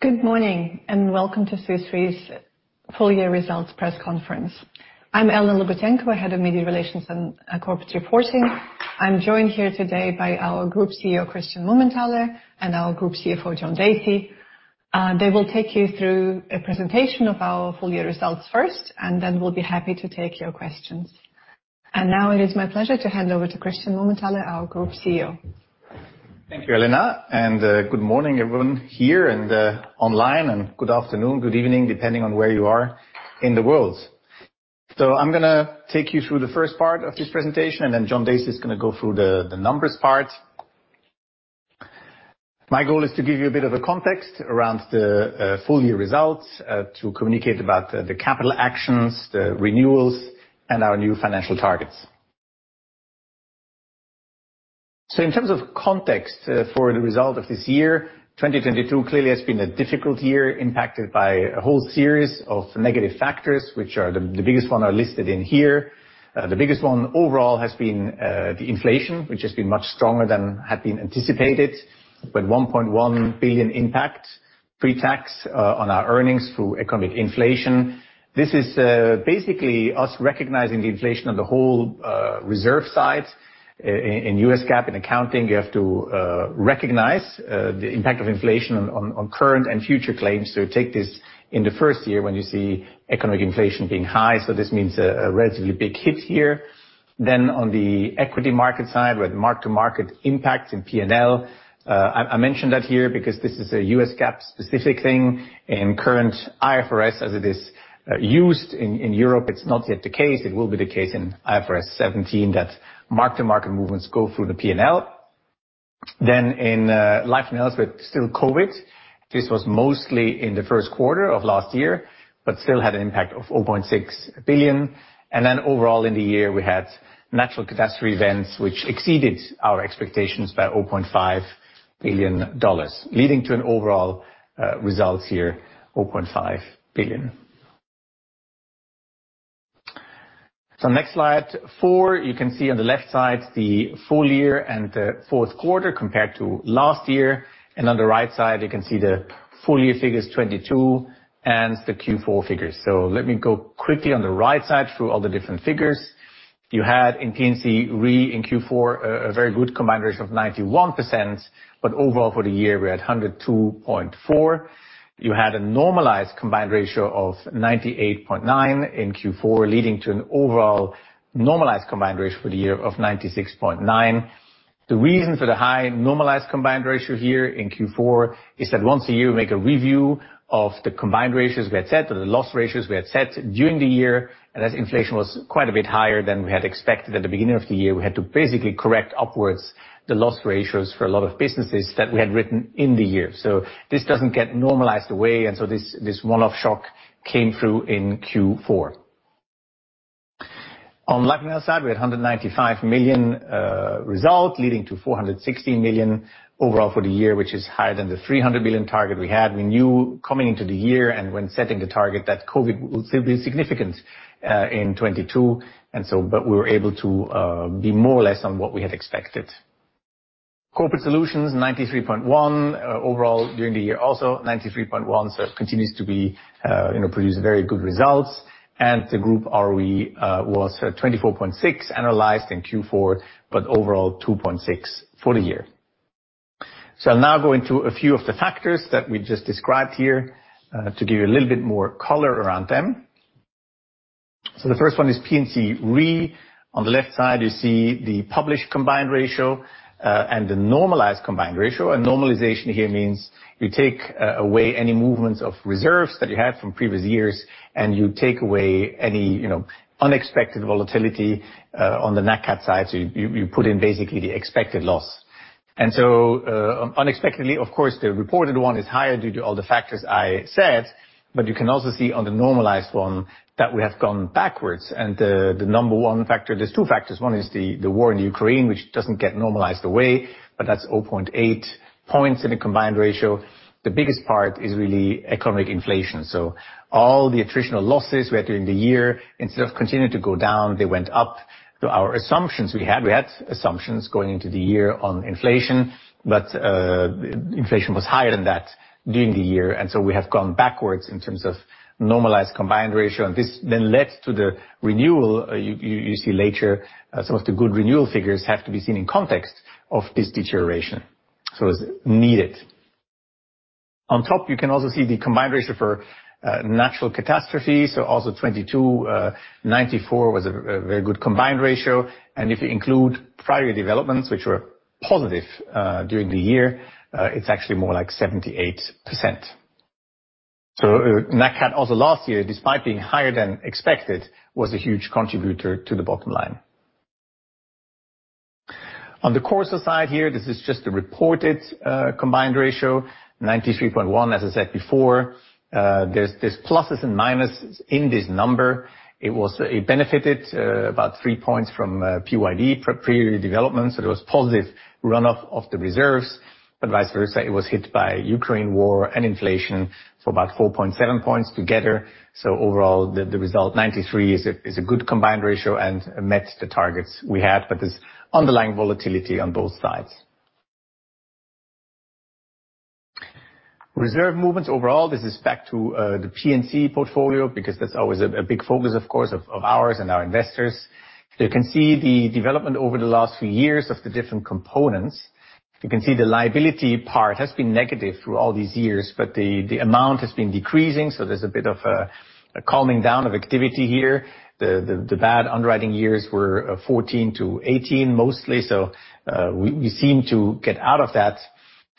Good morning, welcome to Swiss Re's full year results press conference. I'm Elena Logutenkova, Head of Media Relations and Corporate Reporting. I'm joined here today by our Group CEO, Christian Mumenthaler, and our Group CFO, John Dacey. They will take you through a presentation of our full year results first, and then we'll be happy to take your questions. Now it is my pleasure to hand over to Christian Mumenthaler, our Group CEO. Thank you, Elena, good morning everyone here and online, and good afternoon, good evening, depending on where you are in the world. I'm gonna take you through the first part of this presentation, and then John Dacey is gonna go through the numbers part. My goal is to give you a bit of a context around the full year results, to communicate about the capital actions, the renewals, and our new financial targets. In terms of context for the result of this year, 2022 clearly has been a difficult year impacted by a whole series of negative factors, which are the biggest one are listed in here. The biggest one overall has been the inflation, which has been much stronger than had been anticipated, with $1.1 billion impact pre-tax on our earnings through economic inflation. This is basically us recognizing the inflation on the whole reserve side. In US GAAP, in accounting, you have to recognize the impact of inflation on current and future claims. Take this in the first year when you see economic inflation being high, this means a relatively big hit here. On the equity market side, with mark-to-market impact in P&L, I mentioned that here because this is a US GAAP specific thing. In current IFRS as it is used in Europe, it's not yet the case. It will be the case in IFRS 17 that mark-to-market movements go through the P&L. Then in life and health with still COVID. This was mostly in the first quarter of last year, but still had an impact of $4.6 billion. Overall in the year we had natural catastrophe events which exceeded our expectations by $0.5 billion, leading to an overall result here, $0.5 billion. Next slide, 4, you can see on the left side the full year and the fourth quarter compared to last year, and on the right side you can see the full year figures 2022 and the Q4 figures. Let me go quickly on the right side through all the different figures. You had in P&C Re in Q4 a very good combined ratio of 91%, but overall for the year we're at 102.4%. You had a normalized combined ratio of 98.9% in Q4, leading to an overall normalized combined ratio for the year of 96.9%. The reason for the high normalized combined ratio here in Q4 is that once a year we make a review of the combined ratios we had set or the loss ratios we had set during the year, and as inflation was quite a bit higher than we had expected at the beginning of the year, we had to basically correct upwards the loss ratios for a lot of businesses that we had written in the year. This doesn't get normalized away, and so this one-off shock came through in Q4. On life and health side, we had $195 million result leading to $416 million overall for the year, which is higher than the $300 million target we had. We knew coming into the year and when setting the target that COVID will still be significant in 2022 and so, but we were able to be more or less on what we had expected. Corporate Solutions 93.1%. Overall during the year, also 93.1%, so it continues to be, you know, produce very good results. The group ROE was 24.6% annualized in Q4, but overall 2.6% for the year. I'll now go into a few of the factors that we just described here to give you a little bit more color around them. The first one is P&C Re. On the left side you see the published combined ratio and the normalized combined ratio. Normalization here means you take away any movements of reserves that you had from previous years and you take away any, you know, unexpected volatility on the nat cat side. So you put in basically the expected loss. Unexpectedly of course the reported one is higher due to all the factors I said, but you can also see on the normalized one that we have gone backwards. The number one factor, there's two factors. One is the war in Ukraine, which doesn't get normalized away, but that's 0.8 points in the combined ratio. The biggest part is really economic inflation. All the attritional losses we had during the year, instead of continuing to go down, they went up to our assumptions we had. We had assumptions going into the year on inflation, but inflation was higher than that during the year, and so we have gone backwards in terms of normalized combined ratio and this then led to the renewal you see later. Some of the good renewal figures have to be seen in context of this deterioration. It's needed. On top you can also see the combined ratio for natural catastrophes, so also 2022, 94% was a very good combined ratio. If you include prior year developments which were positive during the year, it's actually more like 78%. Nat cat also last year despite being higher than expected was a huge contributor to the bottom line. On the CorSo side here, this is just a reported combined ratio, 93.1% as I said before. There's pluses and minuses in this number. It benefited about three points from PYD, prior year developments, so there was positive runoff of the reserves. Vice versa it was hit by Ukraine war and inflation for about 4.7 points together. Overall the result, 93% is a good combined ratio and met the targets we had, but there's underlying volatility on both sides. Reserve movements overall, this is back to the P&C portfolio because that's always a big focus, of course, of ours and our investors. You can see the development over the last few years of the different components. You can see the liability part has been negative through all these years, but the amount has been decreasing, there's a bit of a calming down of activity here. The bad underwriting years were 14 to 18 mostly. We seem to get out of that.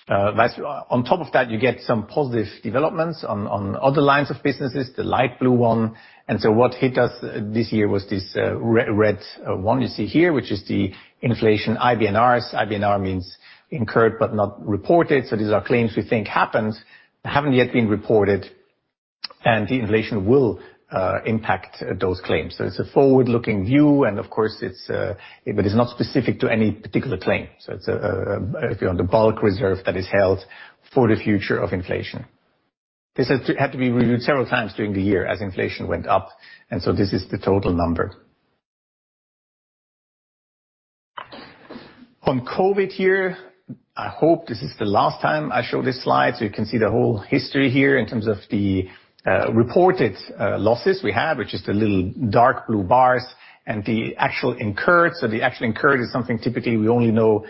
That's. On top of that, you get some positive developments on other lines of businesses, the light blue one. What hit us this year was this re-red one you see here, which is the inflation IBNRs. IBNR means Incurred But Not Reported. These are claims we think happened that haven't yet been reported, and the inflation will impact those claims. It's a forward-looking view, and of course, it's, but it's not specific to any particular claim. It's if you're on the bulk reserve that is held for the future of inflation. This had to be reviewed several times during the year as inflation went up, this is the total number. On COVID here, I hope this is the last time I show this slide, you can see the whole history here in terms of the reported losses we have, which is the little dark blue bars and the actual incurred. The actual incurred is something typically we only know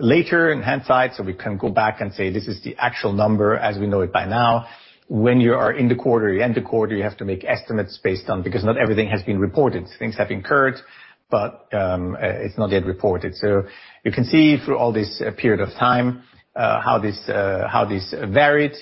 later in hindsight, we can go back and say, "This is the actual number as we know it by now." When you are in the quarter, you end the quarter, you have to make estimates based on because not everything has been reported. Things have incurred, it's not yet reported. You can see through all this period of time, how this, how this varied, and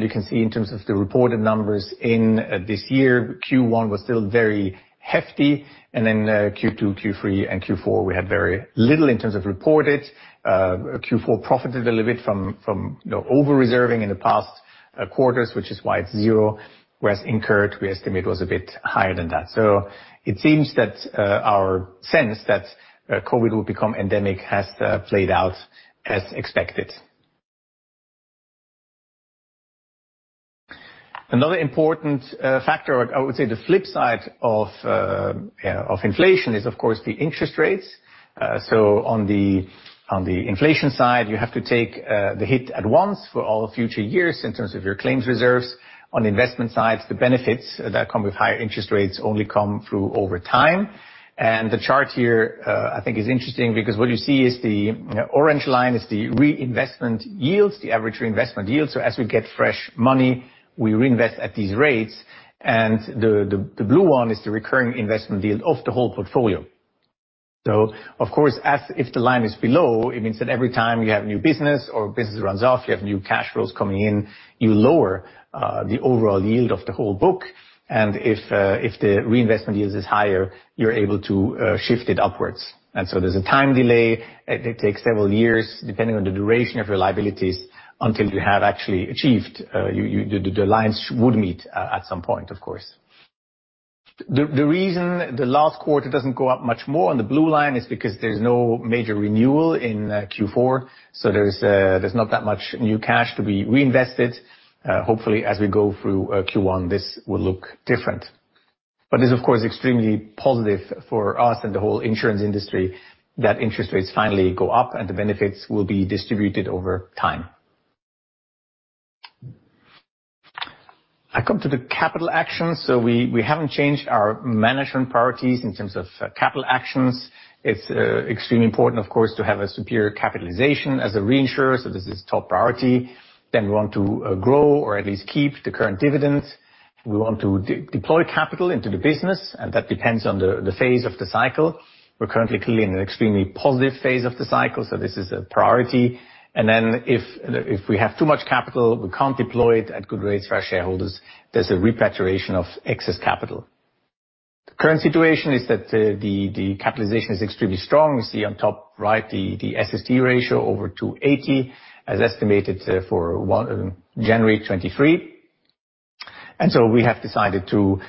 you can see in terms of the reported numbers in this year, Q1 was still very hefty. Q2, Q3, and Q4, we had very little in terms of reported. Q4 profited a little bit from, you know, over-reserving in the past, quarters, which is why it's zero, whereas incurred, we estimate, was a bit higher than that. It seems that our sense that COVID will become endemic has played out as expected. Another important factor, I would say the flip side of inflation is, of course, the interest rates. On the, on the inflation side, you have to take the hit at once for all future years in terms of your claims reserves. On the investment side, the benefits that come with higher interest rates only come through over time. The chart here, I think is interesting because what you see is the orange line is the reinvestment yields, the average reinvestment yields. As we get fresh money, we reinvest at these rates. The blue one is the recurring investment yield of the whole portfolio. Of course, as if the line is below, it means that every time you have new business or business runs off, you have new cash flows coming in, you lower the overall yield of the whole book. If the reinvestment yield is higher, you're able to shift it upwards. There's a time delay. It takes several years, depending on the duration of your liabilities, until you have actually achieved, you... The lines would meet at some point, of course. The reason the last quarter doesn't go up much more on the blue line is because there's no major renewal in Q4, so there's not that much new cash to be reinvested. Hopefully, as we go through Q1, this will look different. It's, of course, extremely positive for us and the whole insurance industry that interest rates finally go up, and the benefits will be distributed over time. I come to the capital action. We haven't changed our management priorities in terms of capital actions. It's extremely important, of course, to have a superior capitalization as a reinsurer, so this is top priority. We want to grow or at least keep the current dividends. We want to de-deploy capital into the business, that depends on the phase of the cycle. We're currently clearly in an extremely positive phase of the cycle, this is a priority. If we have too much capital, we can't deploy it at good rates for our shareholders, there's a repatriation of excess capital. The current situation is that the capitalization is extremely strong. You see on top right the SST ratio over 280% as estimated for January 2023. We have decided to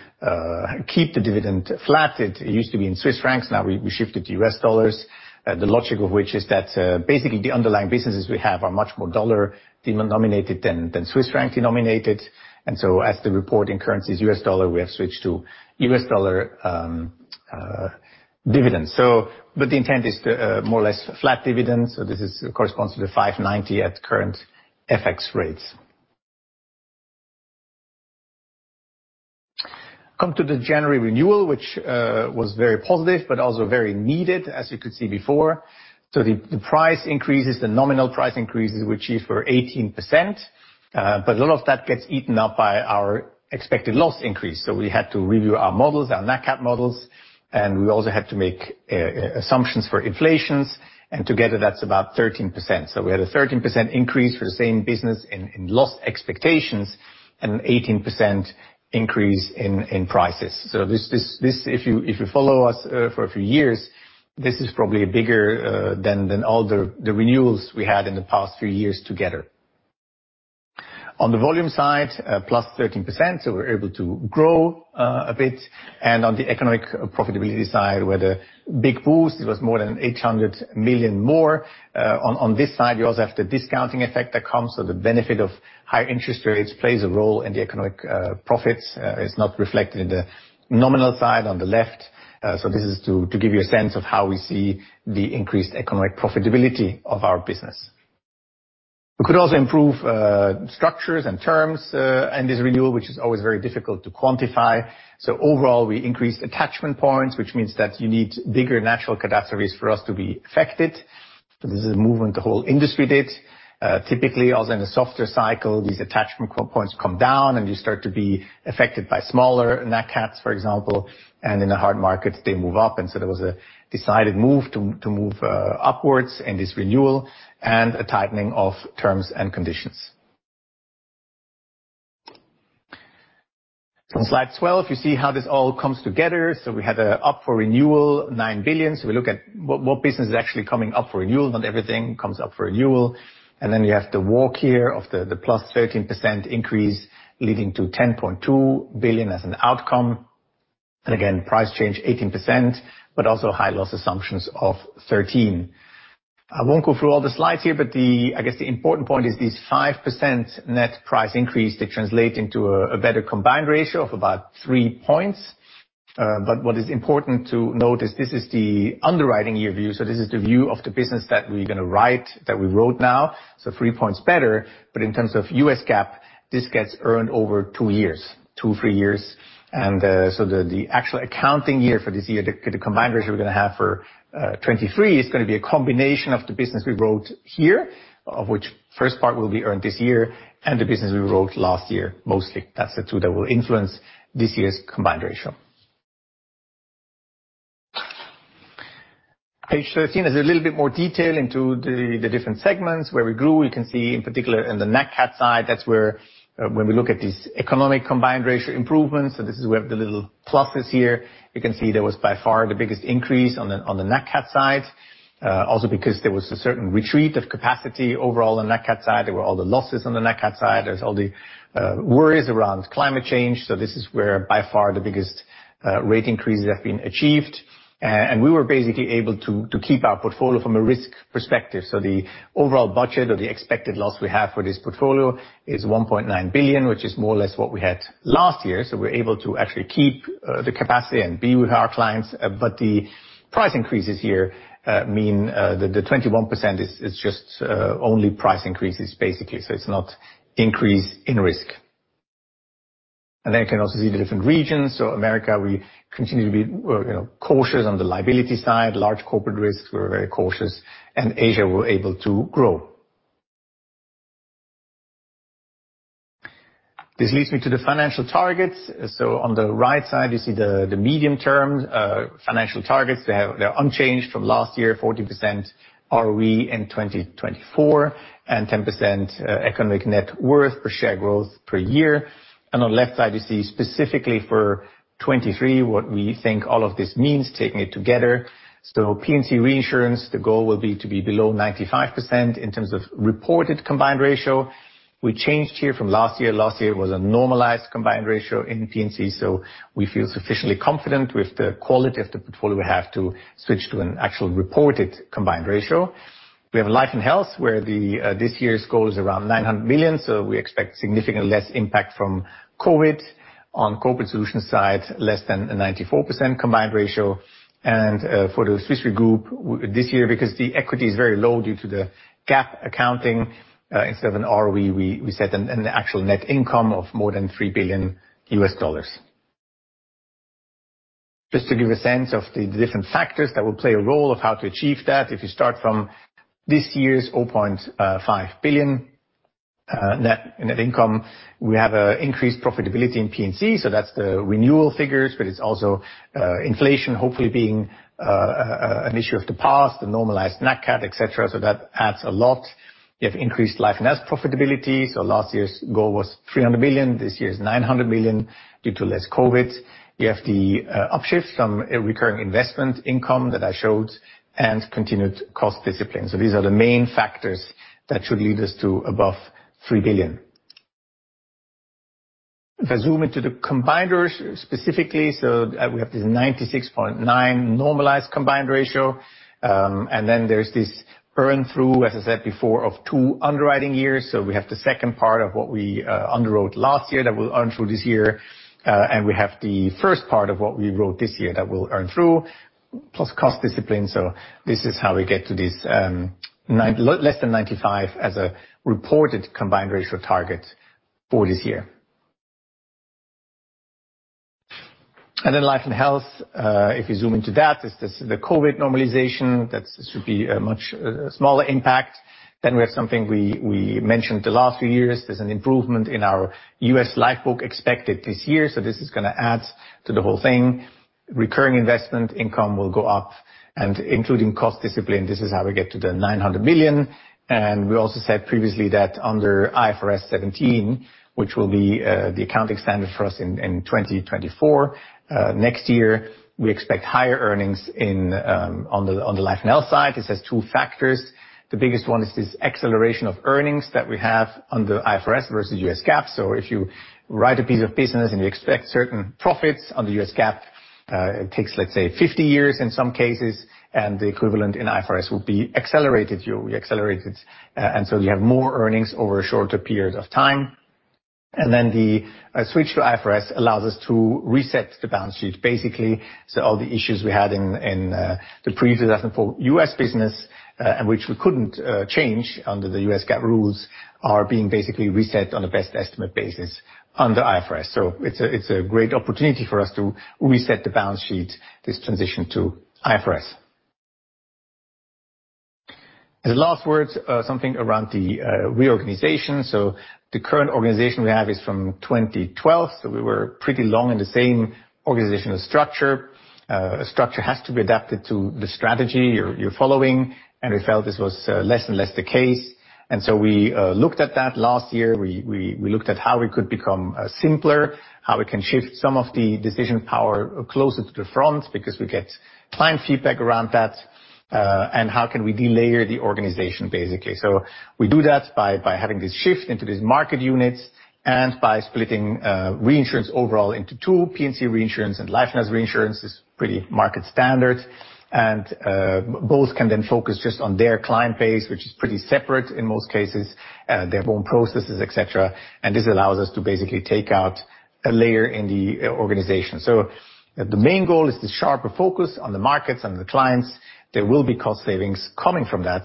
keep the dividend flat. It used to be in Swiss francs. Now we shifted to US dollars. The logic of which is that basically the underlying businesses we have are much more dollar denominated than Swiss franc denominated. As the reporting currency is U.S. dollar, we have switched to U.S. Dollar dividends. The intent is more or less flat dividends. This corresponds to the $5.90 at current fx rates. Come to the January renewal, which was very positive but also very needed, as you could see before. The price increases, the nominal price increases we achieved were 18%. But a lot of that gets eaten up by our expected loss increase. We had to review our models, our nat cat models, and we also had to make a assumptions for inflations, and together that's about 13%. We had a 13% increase for the same business in loss expectations and an 18% increase in prices. This if you follow us for a few years, this is probably bigger than all the renewals we had in the past few years together. On the volume side, 13%+, we're able to grow a bit. On the economic profitability side, we had a big boost. It was more than $800 million more. On this side, you also have the discounting effect that comes. The benefit of high interest rates plays a role in the economic profits. It's not reflected in the nominal side on the left. This is to give you a sense of how we see the increased economic profitability of our business. We could also improve structures and terms in this renewal, which is always very difficult to quantify. Overall, we increased attachment points, which means that you need bigger natural catastrophes for us to be affected. This is a movement the whole industry did. Typically, also in a softer cycle, these attachment co-points come down and you start to be affected by smaller nat cats, for example, and in the hard markets, they move up. There was a decided move to move upwards in this renewal and a tightening of terms and conditions. On slide 12, you see how this all comes together. We had up for renewal $9 billion. We look at what business is actually coming up for renewal. Not everything comes up for renewal. Then you have the walk here of the 13%+ increase leading to $10.2 billion as an outcome. Again, price change 18%, but also high loss assumptions of 13%. I won't go through all the slides here, but I guess the important point is this 5% net price increase that translate into a better combined ratio of about three points. But what is important to note is this is the underwriting year view. This is the view of the business that we're gonna write, that we wrote now, three points better. In terms of US GAAP, this gets earned over two years. Two-Three years. So the actual accounting year for this year, the combined ratio we're gonna have for 2023 is gonna be a combination of the business we wrote here, of which first part will be earned this year, and the business we wrote last year, mostly. That's the two that will influence this year's combined ratio. Page 13 is a little bit more detail into the different segments where we grew. We can see in particular in the nat cat side, that's where when we look at these economic combined ratio improvements, this is where the little plus is here. You can see there was by far the biggest increase on the nat cat side. Also because there was a certain retreat of capacity overall on nat cat side. There were all the losses on the nat cat side. There's all the worries around climate change. This is where by far the biggest rate increases have been achieved. And we were basically able to keep our portfolio from a risk perspective. The overall budget or the expected loss we have for this portfolio is $1.9 billion, which is more or less what we had last year. We're able to actually keep the capacity and be with our clients. The price increases here mean the 21% is just only price increases, basically. It's not increase in risk. You can also see the different regions. America, we continue to be, you know, cautious on the liability side. Large corporate risks, we're very cautious. Asia, we're able to grow. This leads me to the financial targets. On the right side, you see the medium term financial targets. They're unchanged from last year, 40% ROE in 2024, and 10% economic net worth per share growth per year. On left side, you see specifically for 2023 what we think all of this means, taking it together. P&C Reinsurance, the goal will be to be below 95% in terms of reported combined ratio. We changed here from last year. Last year was a normalized combined ratio in P&C, so we feel sufficiently confident with the quality of the portfolio we have to switch to an actual reported combined ratio. We have life and health where the this year's goal is around $900 million, so we expect significantly less impact from COVID. On Corporate Solutions side, less than a 94% combined ratio. For the Swiss Re Group, this year, because the equity is very low due to the GAAP accounting, instead of an ROE, we set an actual net income of more than $3 billion. Just to give a sense of the different factors that will play a role of how to achieve that. If you start from this year's $0.5 billion net income, we have increased profitability in P&C, that's the renewal figures, but it's also inflation hopefully being an issue of the past, the normalized nat cat, et cetera. That adds a lot. You have increased life and health profitability, last year's goal was $300 billion. This year is $900 billion due to less COVID. You have the upshift from a recurring investment income that I showed and continued cost discipline. These are the main factors that should lead us to above $3 billion. If I zoom into the combined ratio specifically, we have this 96.9% normalized combined ratio. Then there's this earn through, as I said before, of two underwriting years. We have the second part of what we underwrote last year that we'll earn through this year. And we have the first part of what we wrote this year that we'll earn through, plus cost discipline. This is how we get to this less than 95% as a reported combined ratio target for this year. Then life and& health, if you zoom into that, is this the COVID normalization. This should be a much smaller impact. We have something we mentioned the last few years. There's an improvement in our U.S. Life book expected this year, so this is gonna add to the whole thing. Recurring investment income will go up. Including cost discipline, this is how we get to the $900 billion. We also said previously that under IFRS 17, which will be the accounting standard for us in 2024 next year, we expect higher earnings on the life and health side. This has two factors. The biggest one is this acceleration of earnings that we have on the IFRS versus US GAAP. If you write a piece of business and you expect certain profits on the US GAAP, it takes, let's say, 50 years in some cases, and the equivalent in IFRS will be accelerated year. We accelerate it. So you have more earnings over a shorter period of time. Then the switch to IFRS allows us to reset the balance sheet basically, so all the issues we had in the pre-design for U.S. business, and which we couldn't change under the US GAAP rules are being basically reset on a best estimate basis under IFRS. It's a great opportunity for us to reset the balance sheet, this transition to IFRS. The last word, something around the reorganization. The current organization we have is from 2012. We were pretty long in the same organizational structure. A structure has to be adapted to the strategy you're following, and we felt this was less and less the case. So we looked at that last year. We looked at how we could become simpler, how we can shift some of the decision power closer to the front, because we get client feedback around that, and how can we delayer the organization, basically. We do that by having this shift into these market units and by splitting reinsurance overall into two, P&C Reinsurance and life and health reinsurance. It's pretty market standard. Both can then focus just on their client base, which is pretty separate in most cases, their own processes, et cetera. This allows us to basically take out a layer in the organization. The main goal is to sharper focus on the markets and the clients. There will be cost savings coming from that.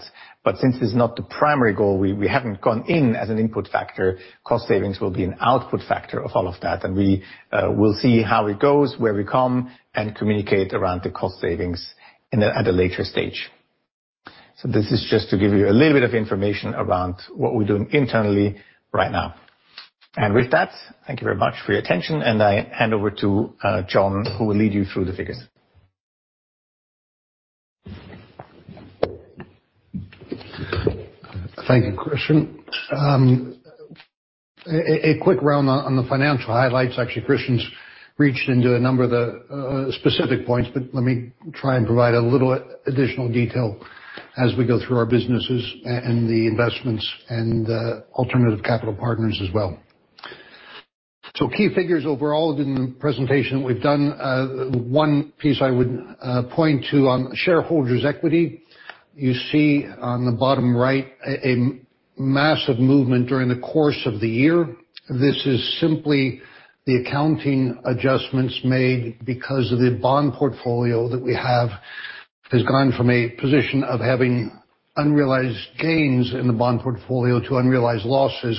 Since it's not the primary goal, we haven't gone in as an input factor. Cost savings will be an output factor of all of that. We will see how it goes, where we come, and communicate around the cost savings at a later stage. This is just to give you a little bit of information around what we're doing internally right now. With that, thank you very much for your attention. I hand over to John, who will lead you through the figures. Thank you, Christian. A quick round on the financial highlights. Actually, Christian's reached into a number of the specific points, but let me try and provide a little additional detail as we go through our businesses and the investments and Alternative Capital Partners as well. Key figures overall in the presentation we've done. One piece I would point to on shareholders' equity, you see on the bottom right a massive movement during the course of the year. This is simply the accounting adjustments made because of the bond portfolio that we have. It's gone from a position of having unrealized gains in the bond portfolio to unrealized losses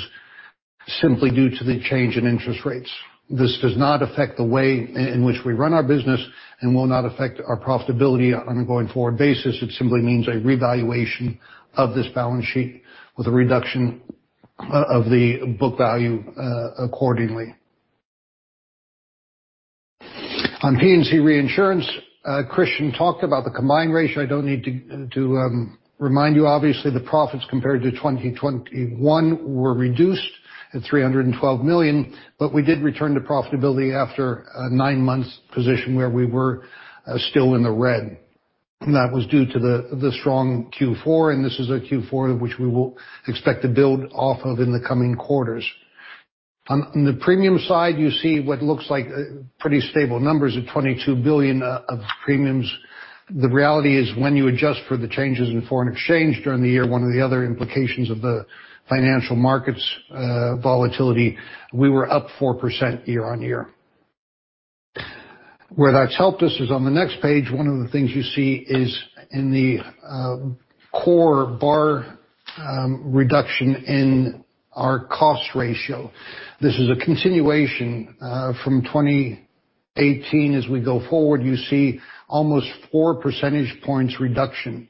simply due to the change in interest rates. This does not affect the way in which we run our business and will not affect our profitability on a going forward basis. It simply means a revaluation of this balance sheet with a reduction of the book value accordingly. On P&C Reinsurance, Christian talked about the combined ratio. I don't need to remind you. Obviously, the profits compared to 2021 were reduced at $312 million, we did return to profitability after a nine-month position where we were still in the red. That was due to the strong Q4, this is a Q4 which we will expect to build off of in the coming quarters. On the premium side, you see what looks like pretty stable numbers of $22 billion of premiums. The reality is, when you adjust for the changes in foreign exchange during the year, one of the other implications of the financial market's volatility, we were up 4% year-over-year. Where that's helped us is on the next page. One of the things you see is in the core bar, reduction in our cost ratio. This is a continuation from 2018. As we go forward, you see almost 4 percentage points reduction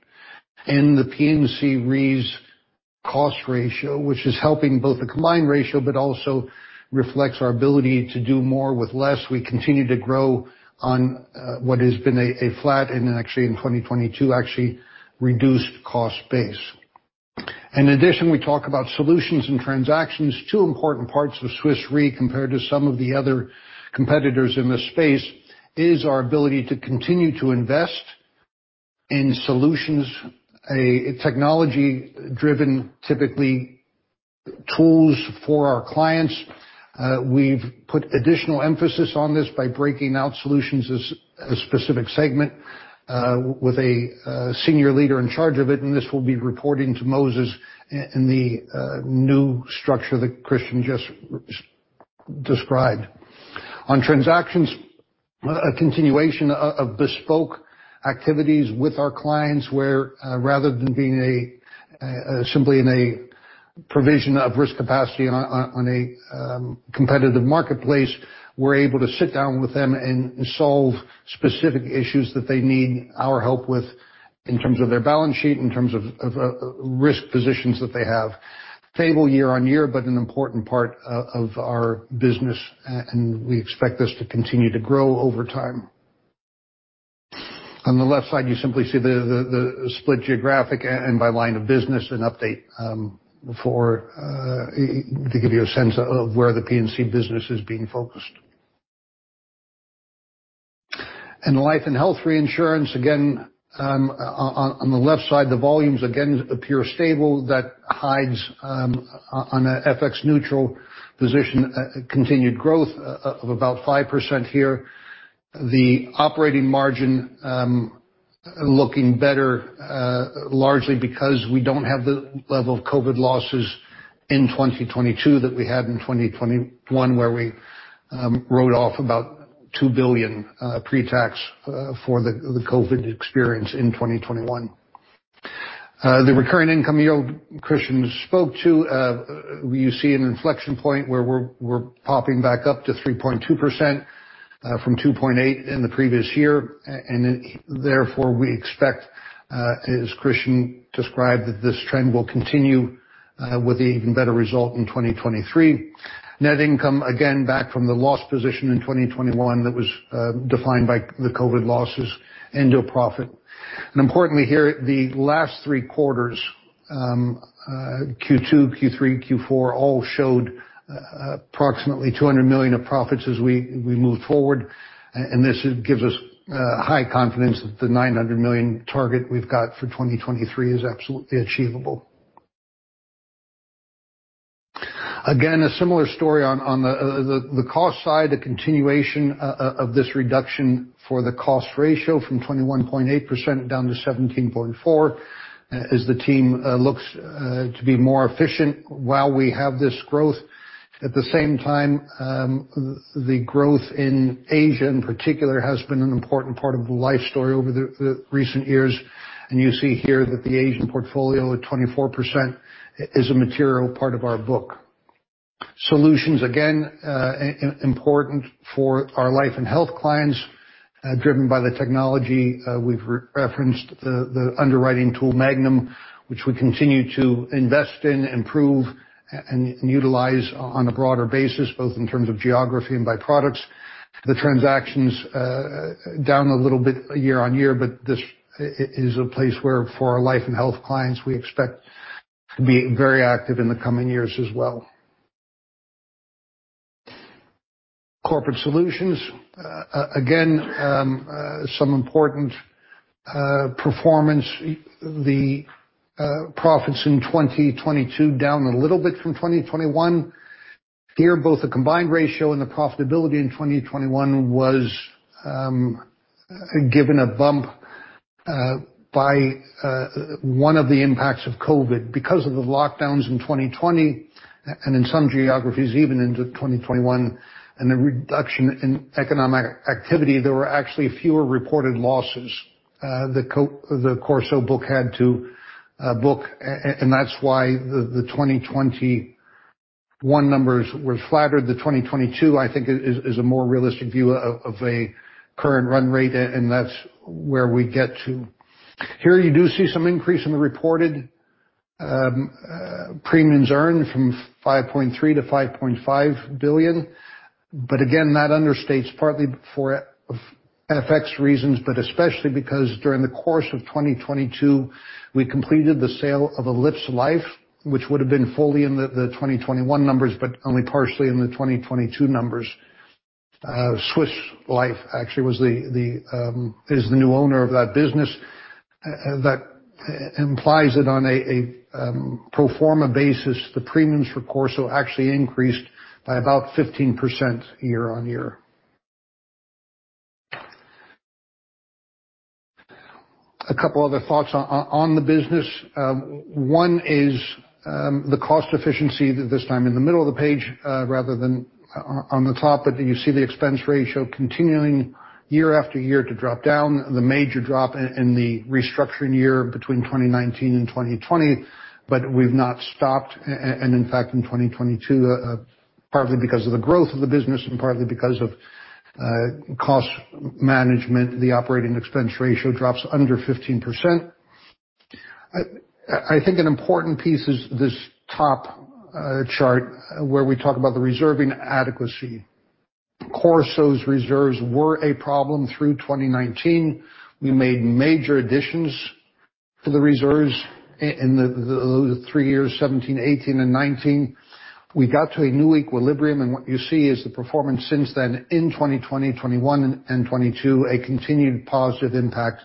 in the P&C Re's cost ratio, which is helping both the combined ratio but also reflects our ability to do more with less. We continue to grow on what has been a flat and actually in 2022, actually reduced cost base. In addition, we talk about solutions and transactions. Two important parts of Swiss Re compared to some of the other competitors in this space is our ability to continue to invest in solutions, a technology-driven, typically, tools for our clients. We've put additional emphasis on this by breaking out solutions as a specific segment, with a senior leader in charge of it, and this will be reporting to Moses in the new structure that Christian just described. On transactions, a continuation of bespoke activities with our clients, where, rather than being simply in a provision of risk capacity on a competitive marketplace, we're able to sit down with them and solve specific issues that they need our help with in terms of their balance sheet, in terms of risk positions that they have. Table year on year, but an important part of our business, and we expect this to continue to grow over time. On the left side, you simply see the split geographic and by line of business an update for to give you a sense of where the P&C business is being focused. In life and health reinsurance, again, on the left side, the volumes again appear stable. That hides on a fx neutral position, continued growth of about 5% here. The operating margin Looking better, largely because we don't have the level of COVID losses in 2022 that we had in 2021, where we wrote off about $2 billion pre-tax for the COVID experience in 2021. The recurring income yield Christian spoke to, you see an inflection point where we're popping back up to 3.2% from 2.8% in the previous year. Therefore, we expect, as Christian described, that this trend will continue with even better result in 2023. Net income, again, back from the loss position in 2021 that was defined by the COVID losses into a profit. Importantly here, the last three quarters, Q2, Q3, Q4 all showed approximately $200 million of profits as we moved forward. This gives us high confidence that the $900 million target we've got for 2023 is absolutely achievable. A similar story on the cost side, the continuation of this reduction for the cost ratio from 21.8% down to 17.4% as the team looks to be more efficient while we have this growth. At the same time, the growth in Asia in particular has been an important part of the Life story over the recent years. You see here that the Asian portfolio at 24% is a material part of our book. Solutions, again, important for our life and health clients, driven by the technology. We've re-referenced the underwriting tool Magnum, which we continue to invest in, improve and utilize on a broader basis, both in terms of geography and by products. The transactions, down a little bit year on year. This is a place where for our life and health clients, we expect to be very active in the coming years as well. Corporate Solutions. Again, some important performance. The profits in 2022 down a little bit from 2021. Here, both the combined ratio and the profitability in 2021 was given a bump by one of the impacts of COVID. Because of the lockdowns in 2020, and in some geographies, even into 2021, and the reduction in economic activity, there were actually fewer reported losses, the CorSo book had to book and that's why the 2021 numbers were flattered. The 2022, I think is a more realistic view of a current run rate, and that's where we get to. Here you do see some increase in the reported premiums earned from $5.3 billion-$5.5 billion. Again, that understates partly for fx reasons, but especially because during the course of 2022, we completed the sale of elipsLife, which would have been fully in the 2021 numbers, but only partially in the 2022 numbers. Swiss Life actually was the new owner of that business. That implies that on a pro forma basis, the premiums for CorSo actually increased by about 15% year on year. A couple other thoughts on the business. One is the cost efficiency this time in the middle of the page, rather than on the top. You see the expense ratio continuing year after year to drop down. The major drop in the restructuring year between 2019 and 2020. We've not stopped. In fact, in 2022, partly because of the growth of the business and partly because of, cost management, the operating expense ratio drops under 15%. I think an important piece is this top chart where we talk about the reserving adequacy. CorSo's reserves were a problem through 2019. We made major additions to the reserves in the three years, 2017, 2018, and 2019. We got to a new equilibrium, and what you see is the performance since then in 2020, 2021, and 2022, a continued positive impact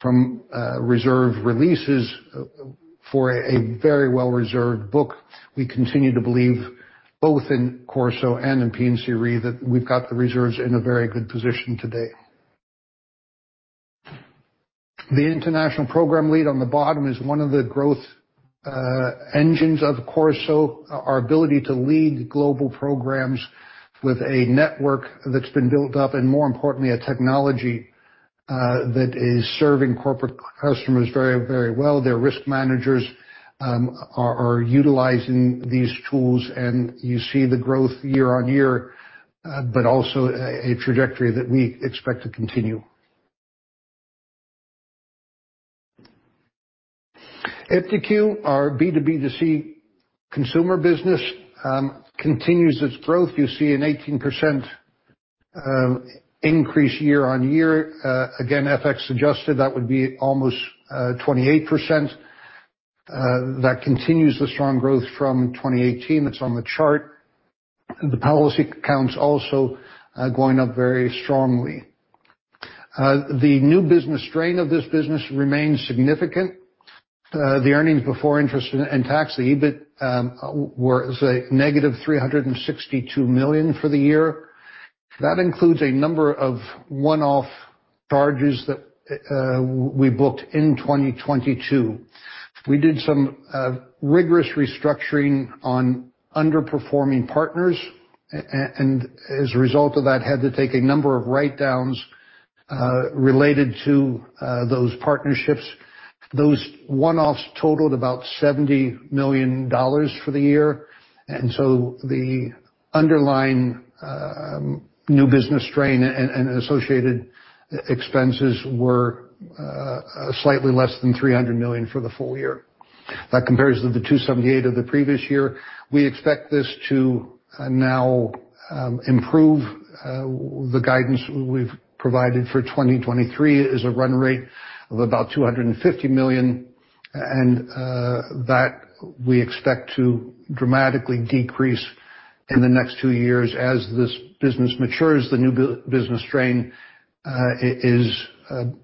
from reserve releases for a very well reserved book. We continue to believe both in CorSo and in P&C Re that we've got the reserves in a very good position today. The international program lead on the bottom is one of the growth engines of CorSo. Our ability to lead global programs with a network that's been built up, and more importantly, a technology that is serving corporate customers very, very well. Their risk managers are utilizing these tools, and you see the growth year-on-year, but also a trajectory that we expect to continue. iptiQ, our B2B2C consumer business, continues its growth. You see an 18% increase year-on-year. Again, fx-adjusted, that would be almost 28%. That continues the strong growth from 2018 that's on the chart. The policy counts also going up very strongly. The new business strain of this business remains significant. The earnings before interest and tax, the EBIT, was a negative $362 million for the year. That includes a number of one-off charges that we booked in 2022. We did some rigorous restructuring on underperforming partners. As a result of that, had to take a number of write downs related to those partnerships. Those one-offs totaled about $70 million for the year. The underlying new business strain and associated expenses were slightly less than $300 million for the full year. That compares to the $278 million of the previous year. We expect this to now improve. The guidance we've provided for 2023 is a run rate of about $250 million. That we expect to dramatically decrease in the next two years as this business matures. The new business strain is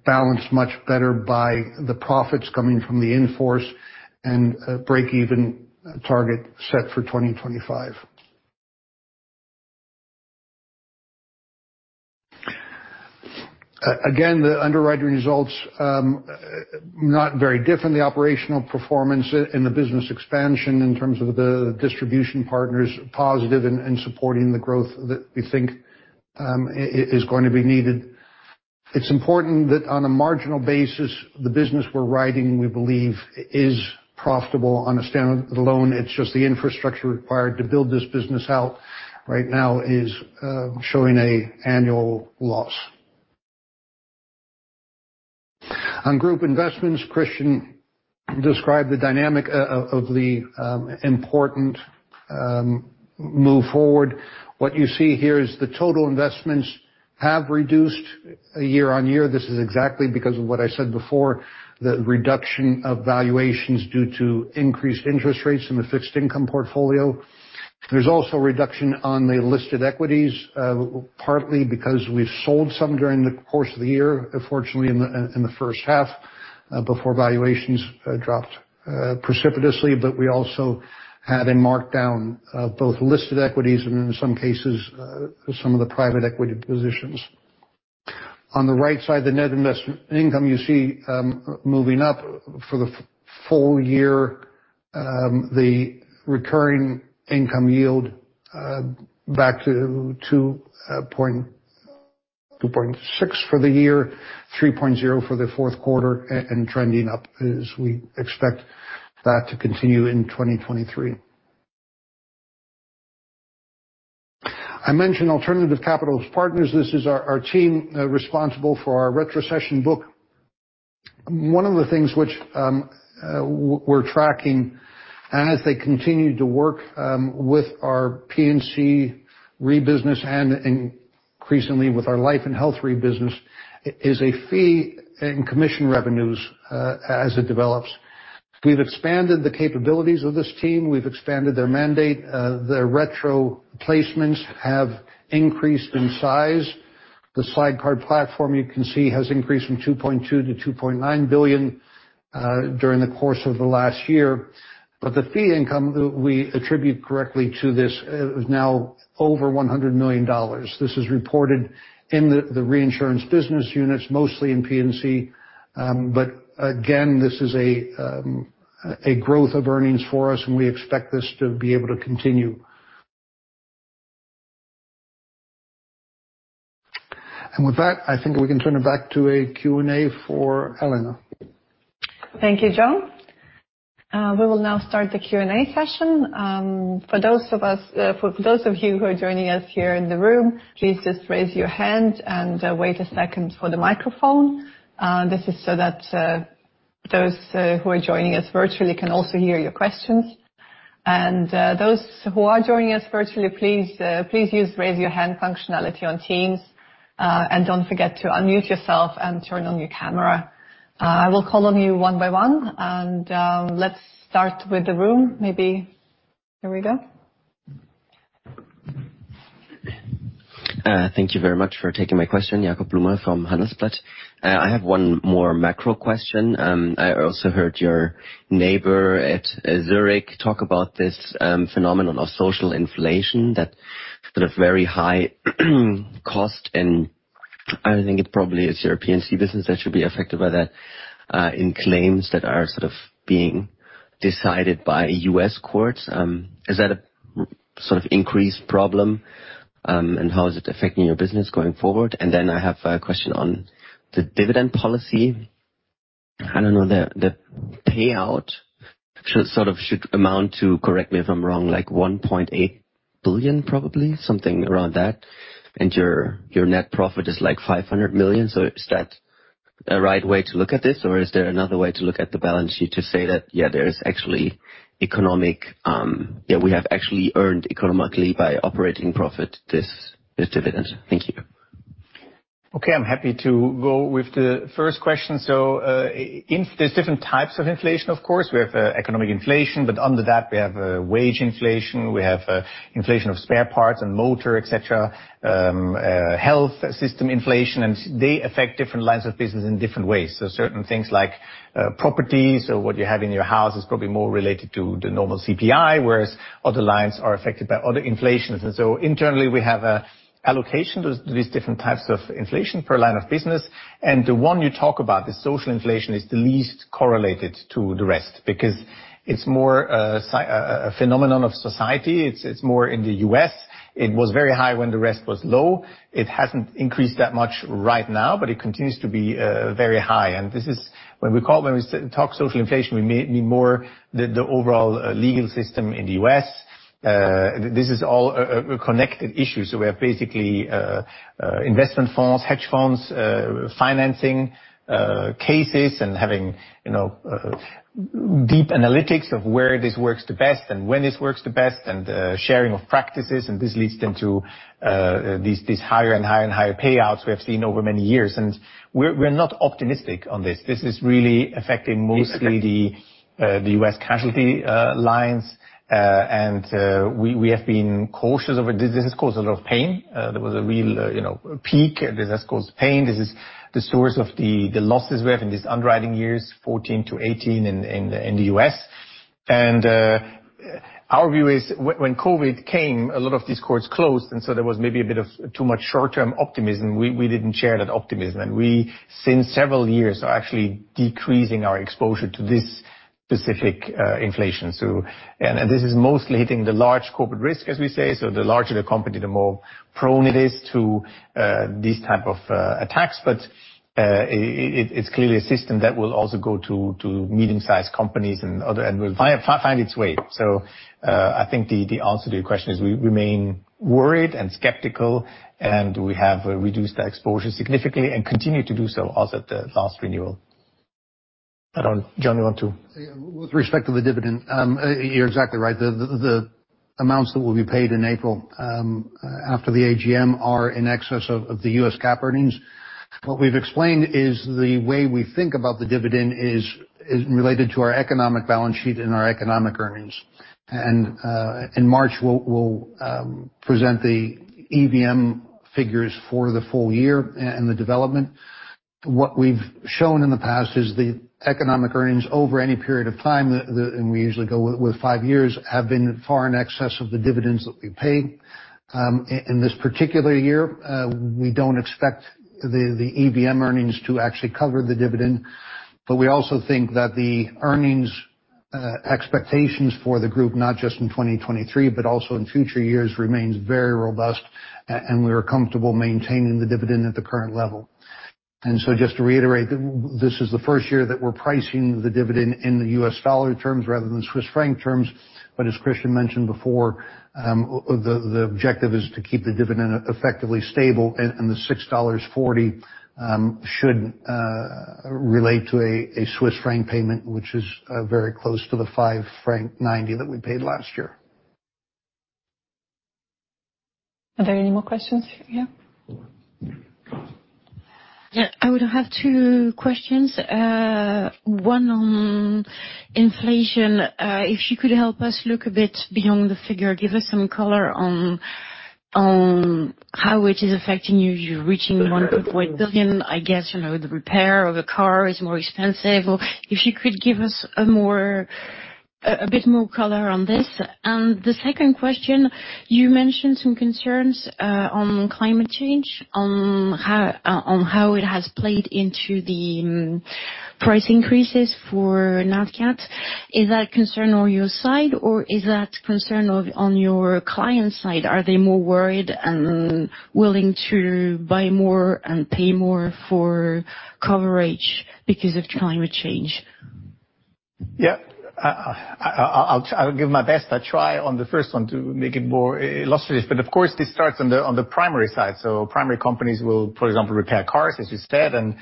balanced much better by the profits coming from the in-force and breakeven target set for 2025. Again, the underwriting results not very different. The operational performance and the business expansion in terms of the distribution partners, positive and supporting the growth that we think is going to be needed. It's important that on a marginal basis, the business we're writing, we believe is profitable on a stand alone. It's just the infrastructure required to build this business out right now is showing a annual loss. On group investments, Christian described the dynamic of the important move forward. What you see here is the total investments have reduced year on year. This is exactly because of what I said before, the reduction of valuations due to increased interest rates in the fixed income portfolio. There's also a reduction on the listed equities, partly because we've sold some during the course of the year, fortunately in the first half, before valuations dropped precipitously. We also had a markdown of both listed equities and in some cases, some of the private equity positions. On the right side, the net investment income you see moving up for the full year, the recurring income yield back to 2.6% for the year, 3.0% for the fourth quarter, and trending up as we expect that to continue in 2023. I mentioned Alternative Capital Partners. This is our team responsible for our retrocession book. One of the things which we're tracking and as they continue to work with our P&C Re business and increasingly with our life and health Re business is a fee in commission revenues as it develops. We've expanded the capabilities of this team. We've expanded their mandate. Their retro placements have increased in size. The sidecar platform, you can see, has increased from $2.2 billion-$2.9 billion during the course of the last year. The fee income we attribute correctly to this is now over $100 million. This is reported in the reinsurance business units, mostly in P&C. Again, this is a growth of earnings for us, and we expect this to be able to continue. With that, I think we can turn it back to a Q&A for Elena. Thank you, John. We will now start the Q&A session. For those of us, for those of you who are joining us here in the room, please just raise your hand and wait a second for the microphone. This is so that those who are joining us virtually can also hear your questions. Those who are joining us virtually, please use raise your hand functionality on Teams. Don't forget to unmute yourself and turn on your camera. I will call on you one by one, and let's start with the room. Maybe... Here we go. Thank you very much for taking my question. t. I have one more macro question. I also heard your neighbor at Zurich talk about this phenomenon of social inflation that sort of very high cost. I think it probably is your P&C business that should be affected by that in claims that are sort of being decided by U.S. courts. Is that a sort of increased problem, and how is it affecting your business going forward? I have a question on the dividend policy. I don't know the payout should, sort of, should amount to, correct me if I'm wrong, like $1.8 billion, probably? Something around that. Your net profit is like $500 million. Is that a right way to look at this? Is there another way to look at the balance sheet to say that, yeah, there is actually economic, we have actually earned economically by operating profit this dividend. Thank you. Okay, I'm happy to go with the first question. There's different types of inflation, of course. We have economic inflation, but under that we have wage inflation, we have inflation of spare parts and motor, et cetera, health system inflation. They affect different lines of business in different ways. Certain things like properties or what you have in your house is probably more related to the normal CPI, whereas other lines are affected by other inflations. Internally we have allocation to these different types of inflation per line of business. The one you talk about, the social inflation, is the least correlated to the rest because it's more a phenomenon of society. It's more in the U.S. It was very high when the rest was low. It hasn't increased that much right now, but it continues to be very high. This is when we talk social inflation, we mean more the overall legal system in the U.S. This is all connected issues. We have basically investment funds, hedge funds, financing cases and having, you know, deep analytics of where this works the best and when this works the best, and sharing of practices. This leads then to these higher and higher and higher payouts we have seen over many years. We're not optimistic on this. This is really affecting mostly the U.S. Casualty lines. We have been cautious of it. This has caused a lot of pain. There was a real, you know, peak. This has caused pain. This is the source of the losses we have in these underwriting years, 14 to 18 in the U.S. Our view is when COVID came, a lot of these courts closed, and so there was maybe a bit of too much short-term optimism. We didn't share that optimism. We since several years are actually decreasing our exposure to this specific inflation. This is mostly hitting the large corporate risk, as we say. The larger the company, the more prone it is to these type of attacks. It's clearly a system that will also go to medium-sized companies and other and will find its way. I think the answer to your question is we remain worried and skeptical, and we have reduced our exposure significantly and continue to do so also at the last renewal. I don't... John, you want to? With respect to the dividend, you're exactly right. The amounts that will be paid in April after the AGM are in excess of the US GAAP earnings. What we've explained is the way we think about the dividend is related to our economic balance sheet and our economic earnings. In March, we'll present the EVM figures for the full year and the development. What we've shown in the past is the economic earnings over any period of time, and we usually go with five years, have been far in excess of the dividends that we paid. In this particular year, we don't expect the EVM earnings to actually cover the dividend, but we also think that the earnings expectations for the group, not just in 2023 but also in future years, remains very robust and we're comfortable maintaining the dividend at the current level. Just to reiterate, this is the first year that we're pricing the dividend in the U.S. Dollar terms rather than Swiss franc terms. As Christian mentioned before, the objective is to keep the dividend effectively stable, and the $6.40 should relate to a Swiss franc payment, which is very close to the 5 franc 90 that we paid last year. Are there any more questions? Yeah. Yeah, I would have two questions. One on inflation. If you could help us look a bit beyond the figure, give us some color on how it is affecting you? You're reaching one point billion. I guess, you know, the repair of a car is more expensive or if you could give us a bit more color on this? The second question, you mentioned some concerns on climate change, on how it has played into the price increases for nat cat. Is that concern on your side or is that concern on your client side? Are they more worried and willing to buy more and pay more for coverage because of climate change? Yeah. I'll give it my best try on the first one to make it more illustrative. Of course, this starts on the, on the primary side. Primary companies will, for example, repair cars, as you said, and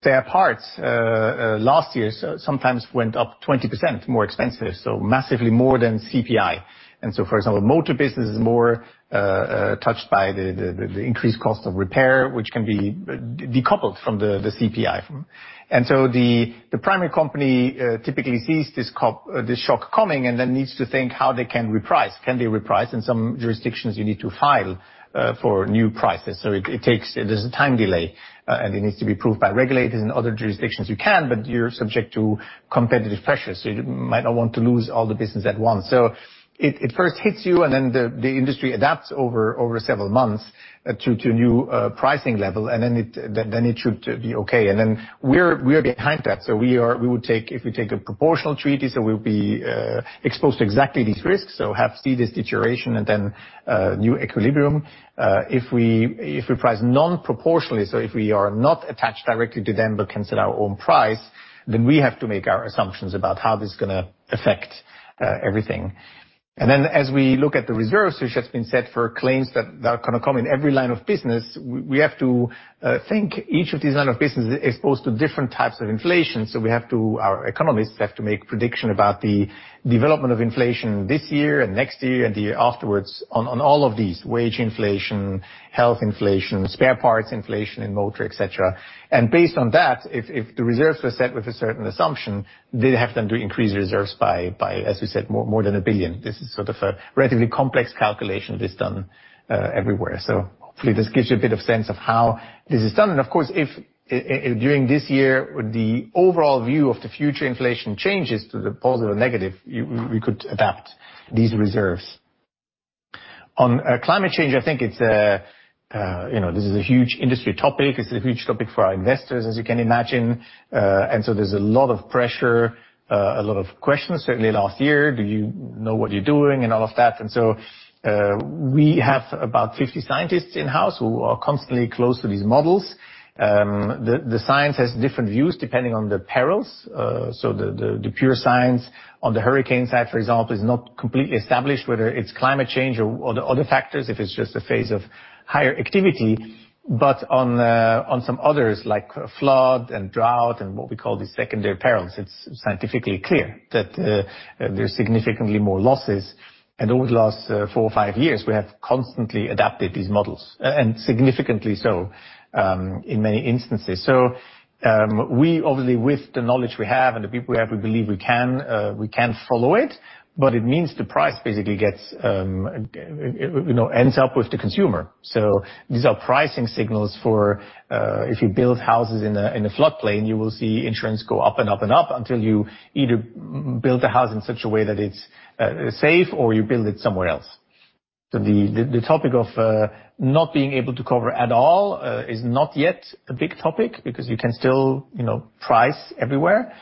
spare parts, last year sometimes went up 20% more expensive, so massively more than CPI. For example, motor business is more touched by the, the increased cost of repair, which can be decoupled from the CPI. The, the primary company typically sees this shock coming and then needs to think how they can reprice. Can they reprice? In some jurisdictions you need to file for new prices, so it takes... There's a time delay, and it needs to be approved by regulators. In other jurisdictions you can, but you're subject to competitive pressures, so you might not want to lose all the business at once. It first hits you, and then the industry adapts over several months to new pricing level, and then it should be okay. Then we are behind that. We would take if we take a proportional treaty, we'll be exposed to exactly these risks, so have to see this deterioration and then new equilibrium. If we, if we price non-proportionally, so if we are not attached directly to them, but can set our own price, then we have to make our assumptions about how this is gonna affect everything. As we look at the reserves, which has been set for claims that are gonna come in every line of business, we have to think each of these line of business is exposed to different types of inflation. We have to, our economists have to make prediction about the development of inflation this year and next year and the year afterwards on all of these, wage inflation, health inflation, spare parts inflation in motor, et cetera. Based on that, if the reserves were set with a certain assumption, they'd have them to increase reserves by, as we said, more than $1 billion. This is sort of a relatively complex calculation that's done everywhere. Hopefully this gives you a bit of sense of how this is done. Of course, if during this year, the overall view of the future inflation changes to the positive or negative, we could adapt these reserves. On climate change, I think it's, you know, this is a huge industry topic. This is a huge topic for our investors, as you can imagine. So there's a lot of pressure, a lot of questions, certainly last year, do you know what you're doing and all of that. So we have about 50 scientists in-house who are constantly close to these models. The science has different views depending on the perils. The, the pure science on the hurricane side, for example, is not completely established, whether it's climate change or the other factors, if it's just a phase of higher activity. On, on some others, like flood and drought and what we call the secondary perils, it's scientifically clear that there's significantly more losses. Over the last four or five years, we have constantly adapted these models and significantly so in many instances. We obviously with the knowledge we have and the people we have, we believe we can, we can follow it, but it means the price basically gets, you know, ends up with the consumer. These are pricing signals for, if you build houses in a, in a floodplain, you will see insurance go up and up and up until you either build a house in such a way that it's safe or you build it somewhere else. The, the topic of not being able to cover at all is not yet a big topic because you can still, you know, price everywhere.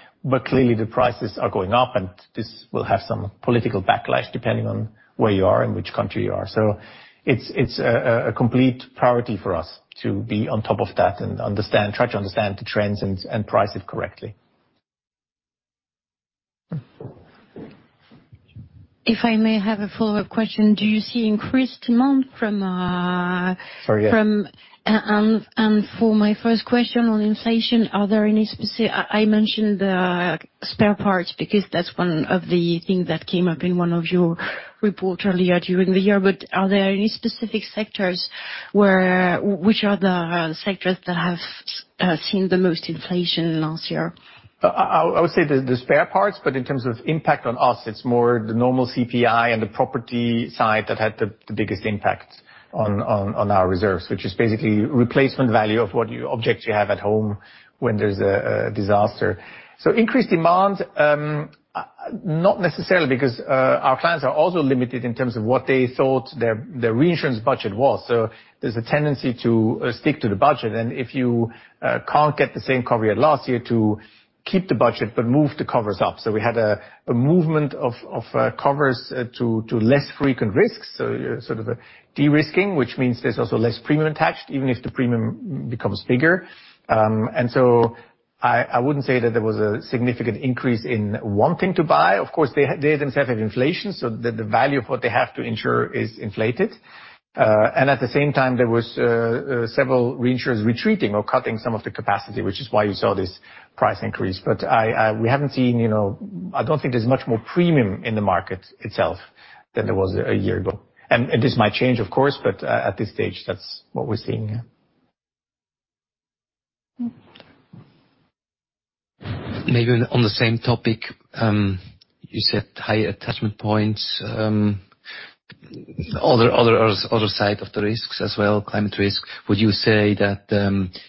Clearly the prices are going up and this will have some political backlash depending on where you are and which country you are. It's, it's a complete priority for us to be on top of that and understand, try to understand the trends and price it correctly. If I may have a follow-up question, do you see increased demand from? Sorry, yeah. For my first question on inflation, are there any I mentioned the spare parts because that's one of the things that came up in one of your report earlier during the year. Are there any specific sectors Which are the sectors that have seen the most inflation last year? I would say the spare parts, but in terms of impact on us, it's more the normal CPI and the property side that had the biggest impact on our reserves, which is basically replacement value of what objects you have at home when there's a disaster. Increased demand, not necessarily because our clients are also limited in terms of what they thought their reinsurance budget was. There's a tendency to stick to the budget. If you can't get the same cover you had last year to keep the budget, but move the covers up. We had a movement of covers to less frequent risks. Sort of a de-risking, which means there's also less premium attached, even if the premium becomes bigger. I wouldn't say that there was a significant increase in wanting to buy. Of course, they themselves have inflation, so the value of what they have to insure is inflated. At the same time, there was several reinsurers retreating or cutting some of the capacity, which is why you saw this price increase. We haven't seen, you know, I don't think there's much more premium in the market itself than there was a year ago. This might change, of course, but at this stage, that's what we're seeing. Maybe on the same topic, you said high attachment points, other side of the risks as well, climate risk, would you say that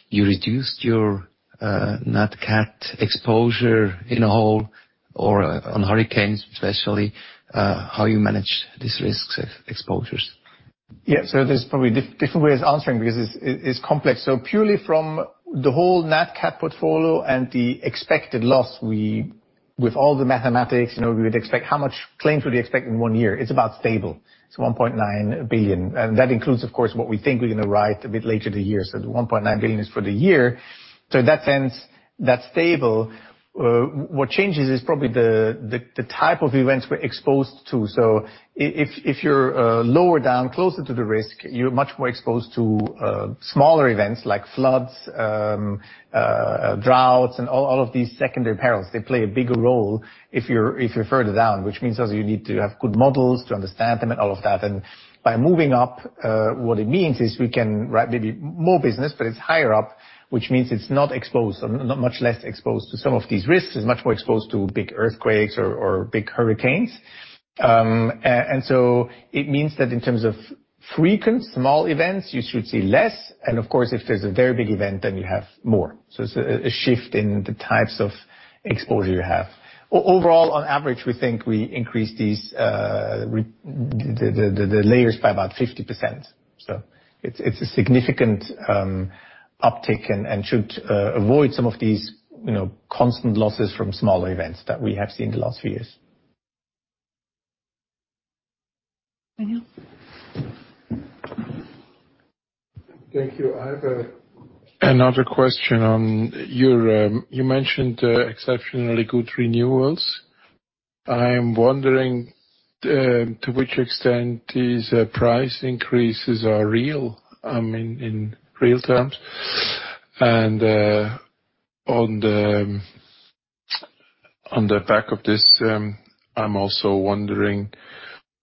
you reduced your nat cat exposure in a whole or on hurricanes especially, how you manage these risks exposures? Yeah. There's probably different ways of answering because it's complex. Purely from the whole nat cat portfolio and the expected loss, we with all the mathematics, you know, we would expect how much claims would we expect in one year. It's about stable. It's $1.9 billion. That includes, of course, what we think we're going to write a bit later the year. The $1.9 billion is for the year. In that sense, that's stable. What changes is probably the, the type of events we're exposed to. If you're lower down closer to the risk, you're much more exposed to smaller events like floods, droughts and all of these secondary perils. They play a bigger role if you're further down, which means also you need to have good models to understand them and all of that. By moving up, what it means is we can write maybe more business, but it's higher up, which means it's not much less exposed to some of these risks. It's much more exposed to big earthquakes or big hurricanes. It means that in terms of frequent small events, you should see less. Of course, if there's a very big event, then you have more. It's a shift in the types of exposure you have. Overall, on average, we think we increase these the layers by about 50%. It's a significant uptick and should avoid some of these, you know, constant losses from smaller events that we have seen the last few years. Daniel? Thank you. I have another question on your, you mentioned exceptionally good renewals. I am wondering to which extent these price increases are real, in real terms. On the back of this, I'm also wondering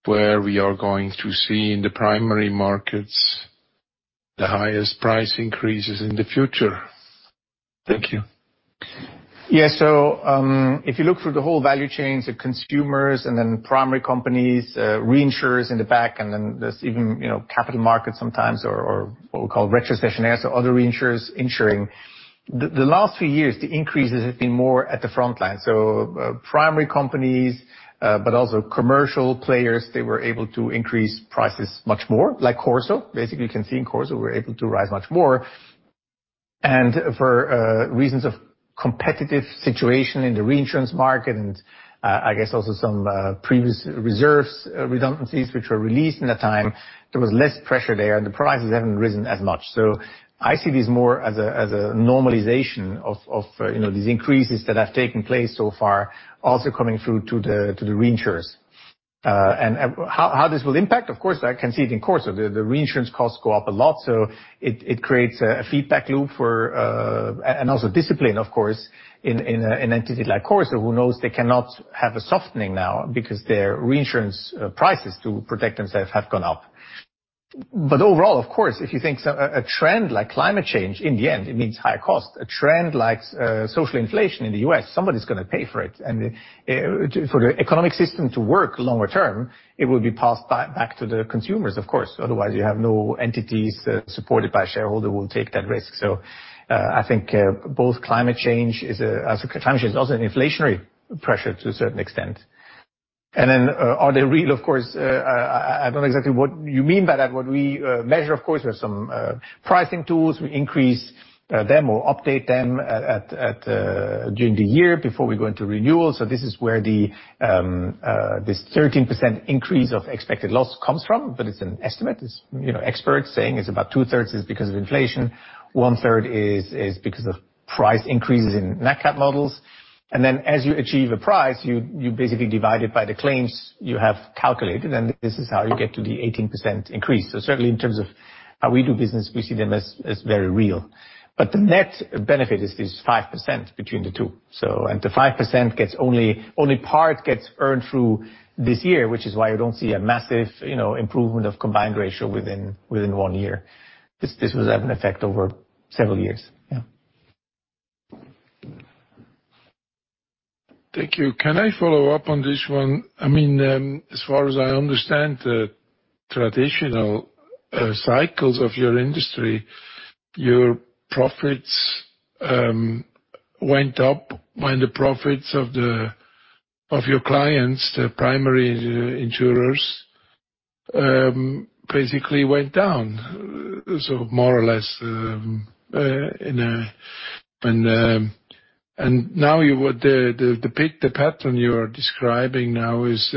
where we are going to see in the primary markets the highest price increases in the future. Thank you. Yes. If you look through the whole value chains of consumers and then primary companies, reinsurers in the back, and then there's even, you know, capital markets sometimes or what we call Retrocessionaires or other reinsurers insuring. The last few years, the increases have been more at the front line. Primary companies, but also commercial players, they were able to increase prices much more, like CorSo. Basically, you can see in CorSo, we're able to rise much more. For reasons of competitive situation in the reinsurance market, and I guess also some previous reserves redundancies which were released in that time, there was less pressure there, and the prices haven't risen as much. I see this more as a normalization of, you know, these increases that have taken place so far, also coming through to the reinsurers. How this will impact, of course, I can see it in CorSo. The reinsurance costs go up a lot, so it creates a feedback loop for, and also discipline, of course, in entity like CorSo, who knows they cannot have a softening now because their reinsurance prices to protect themselves have gone up. Overall, of course, if you think so a trend like climate change, in the end, it means higher cost. A trend like social inflation in the U.S., somebody's gonna pay for it. For the economic system to work longer term, it will be passed back to the consumers, of course. Otherwise, you have no entities supported by shareholder who will take that risk. I think both climate change is also an inflationary pressure to a certain extent. Are they real? Of course, I don't know exactly what you mean by that. What we measure, of course, we have some pricing tools. We increase them or update them during the year before we go into renewal. This is where the 13% increase of expected loss comes from. It's an estimate. It's, you know, experts saying it's about two-thirds is because of inflation, one-third is because of price increases nat cat models. As you achieve a price, you basically divide it by the claims you have calculated, and this is how you get to the 18% increase. Certainly in terms of how we do business, we see them as very real. The net benefit is this 5% between the two. The 5% gets only part gets earned through this year, which is why you don't see a massive, you know, improvement of combined ratio within 1 year. This will have an effect over several years. Yeah. Thank you. Can I follow up on this one? I mean, as far as I understand the traditional cycles of your industry, your profits went up when the profits of your clients, the primary insurers, basically went down. More or less, the pattern you are describing now is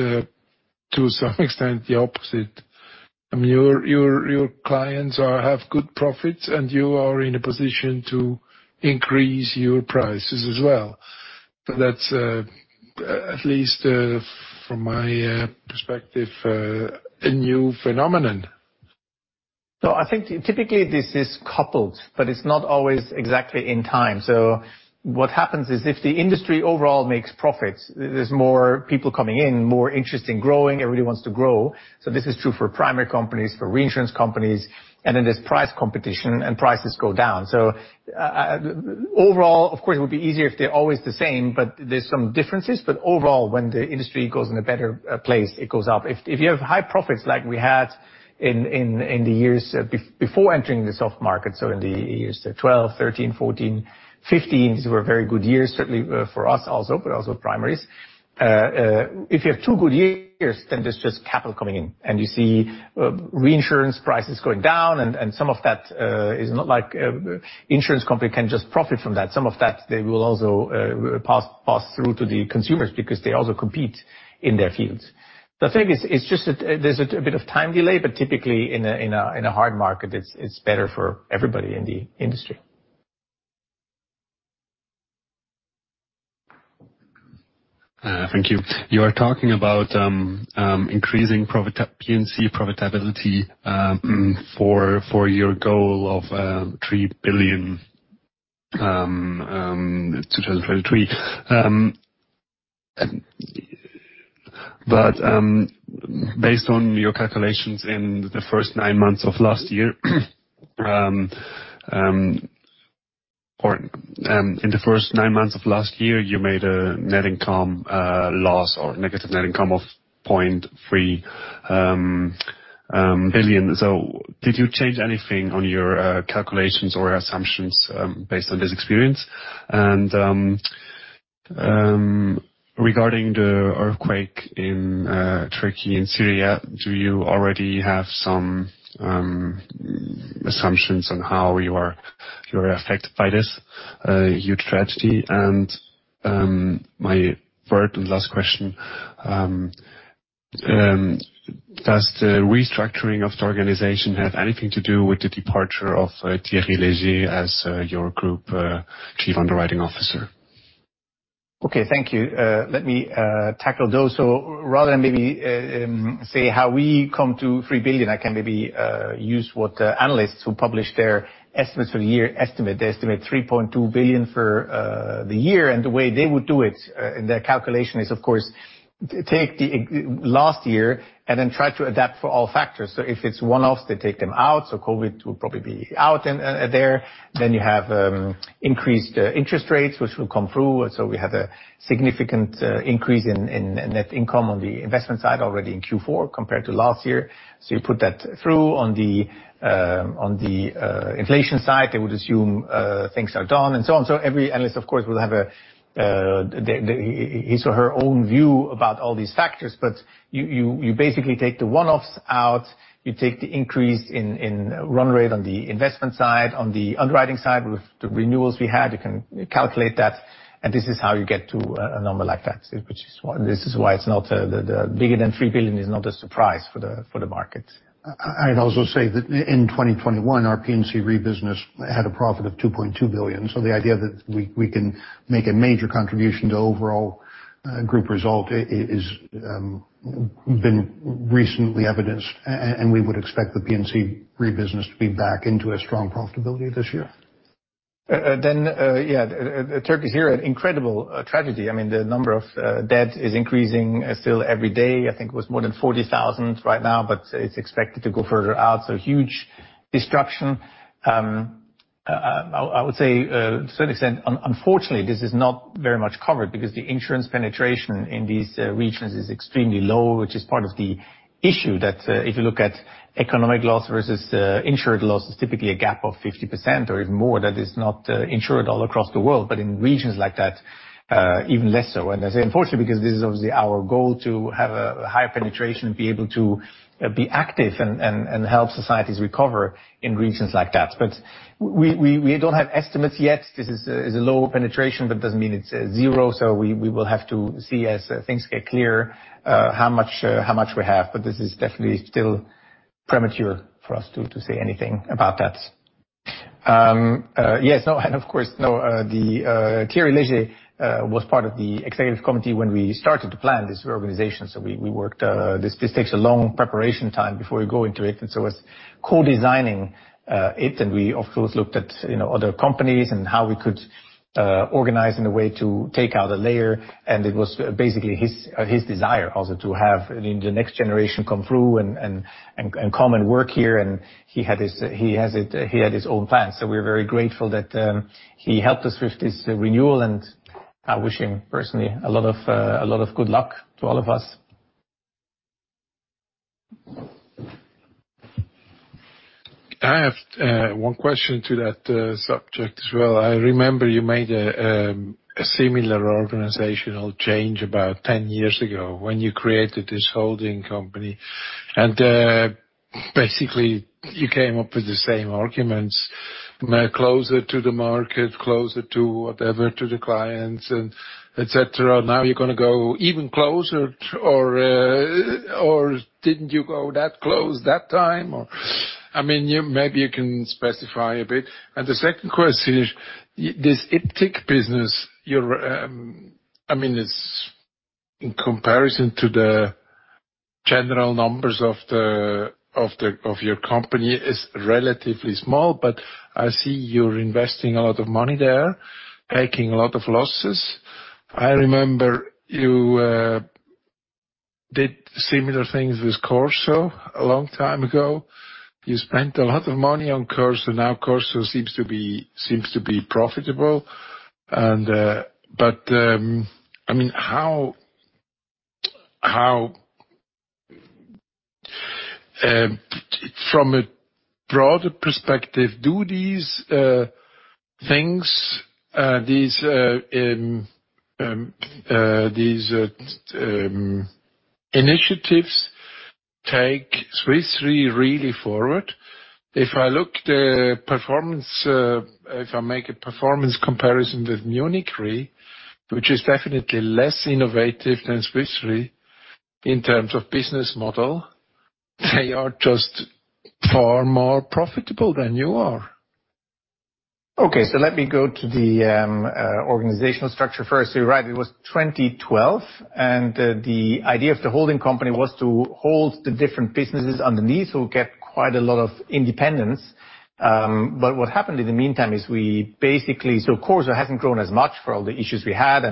to some extent the opposite. I mean, your clients are, have good profits, and you are in a position to increase your prices as well. That's, at least, from my perspective, a new phenomenon. No, I think typically this is coupled, but it's not always exactly in time. What happens is if the industry overall makes profits, there's more people coming in, more interest in growing, everybody wants to grow. This is true for primary companies, for reinsurance companies, and then there's price competition and prices go down. overall, of course, it would be easier if they're always the same, but there's some differences. Overall, when the industry goes in a better place, it goes up. If you have high profits like we had in the years before entering the soft market, in the years 2012, 2013, 2014, 2015, these were very good years, certainly for us also, but also primaries. If you have two good years, then there's just capital coming in, and you see reinsurance prices going down. Some of that is not like insurance company can just profit from that. Some of that they will also pass through to the consumers because they also compete in their fields. The thing is, it's just that there's a bit of time delay, but typically in a hard market, it's better for everybody in the industry. Thank you. You are talking about increasing P&C profitability for your goal of $3 billion 2023. Based on your calculations in the first nine months of last year, or in the first nine months of last year, you made a net income loss or negative net income of $0.3 billion. Did you change anything on your calculations or assumptions based on this experience? Regarding the earthquake in Turkey and Syria, do you already have some assumptions on how you are affected by this huge tragedy? My third and last question... Does the restructuring of the organization have anything to do with the departure of Thierry Léger as your Group Chief Underwriting Officer? Okay. Thank you. Let me tackle those. Rather than maybe say how we come to $3 billion, I can maybe use what analysts who publish their estimates for the year estimate. They estimate $3.2 billion for the year. The way they would do it, their calculation is, of course, take the last year and then try to adapt for all factors. If it's one-offs, they take them out, so COVID will probably be out in there. Then you have increased interest rates which will come through. We have a significant increase in net income on the investment side already in Q4 compared to last year. You put that through. On the inflation side, they would assume things are done, and so on. Every analyst, of course, will have his or her own view about all these factors. You basically take the one-offs out, you take the increase in run rate on the investment side. On the underwriting side, with the renewals we had, you can calculate that, and this is how you get to a number like that. Which is why. This is why it's not bigger than $3 billion is not a surprise for the market. I'd also say that in 2021, our P&C Re business had a profit of $2.2 billion. The idea that we can make a major contribution to overall group result is been recently evidenced. We would expect the P&C Re business to be back into a strong profitability this year. Then, yeah, Turkey's here an incredible tragedy. I mean, the number of dead is increasing still every day. I think it was more than 40,000 right now, but it's expected to go further out. Huge destruction. I would say to a certain extent, unfortunately, this is not very much covered because the insurance penetration in these regions is extremely low, which is part of the issue that if you look at economic loss versus insured loss, it's typically a gap of 50% or even more that is not insured all across the world, but in regions like that, even less so. I say unfortunately, because this is obviously our goal, to have a high penetration and be able to be active and help societies recover in regions like that. We don't have estimates yet. This is a lower penetration, but it doesn't mean it's zero. We will have to see as things get clear, how much we have. This is definitely still premature for us to say anything about that. Yes. Of course, Thierry Léger was part of the executive committee when we started to plan this reorganization. We worked, this takes a long preparation time before we go into it, and so it's co-designing it. We, of course, looked at, you know, other companies and how we could organize in a way to take out a layer. It was basically his desire also to have the next generation come through and come and work here. He had his... He had his own plans. We're very grateful that he helped us with this renewal. I wish him personally a lot of good luck to all of us. I have one question to that subject as well. I remember you made a similar organizational change about 10 years ago when you created this holding company, and basically you came up with the same arguments, closer to the market, closer to whatever, to the clients, etc. Now you're going to go even closer or didn't you go that close that time? Or, I mean, maybe you can specify a bit. The second question is this iptiQ business, you're, I mean, it's in comparison to the general numbers of the, of the, of your company is relatively small, but I see you're investing a lot of money there, taking a lot of losses. I remember you did similar things with CorSo a long time ago. You spent a lot of money on CorSo. Now CorSo seems to be profitable. I mean, how from a broader perspective, do these things, these initiatives take Swiss Re really forward? If I look the performance, if I make a performance comparison with Munich Re, which is definitely less innovative than Swiss Re in terms of business model, they are just far more profitable than you are. Okay, let me go to the organizational structure first. You're right, it was 2012. The idea of the holding company was to hold the different businesses underneath who get quite a lot of independence. What happened in the meantime is we basically. CorSo hasn't grown as much for all the issues we had.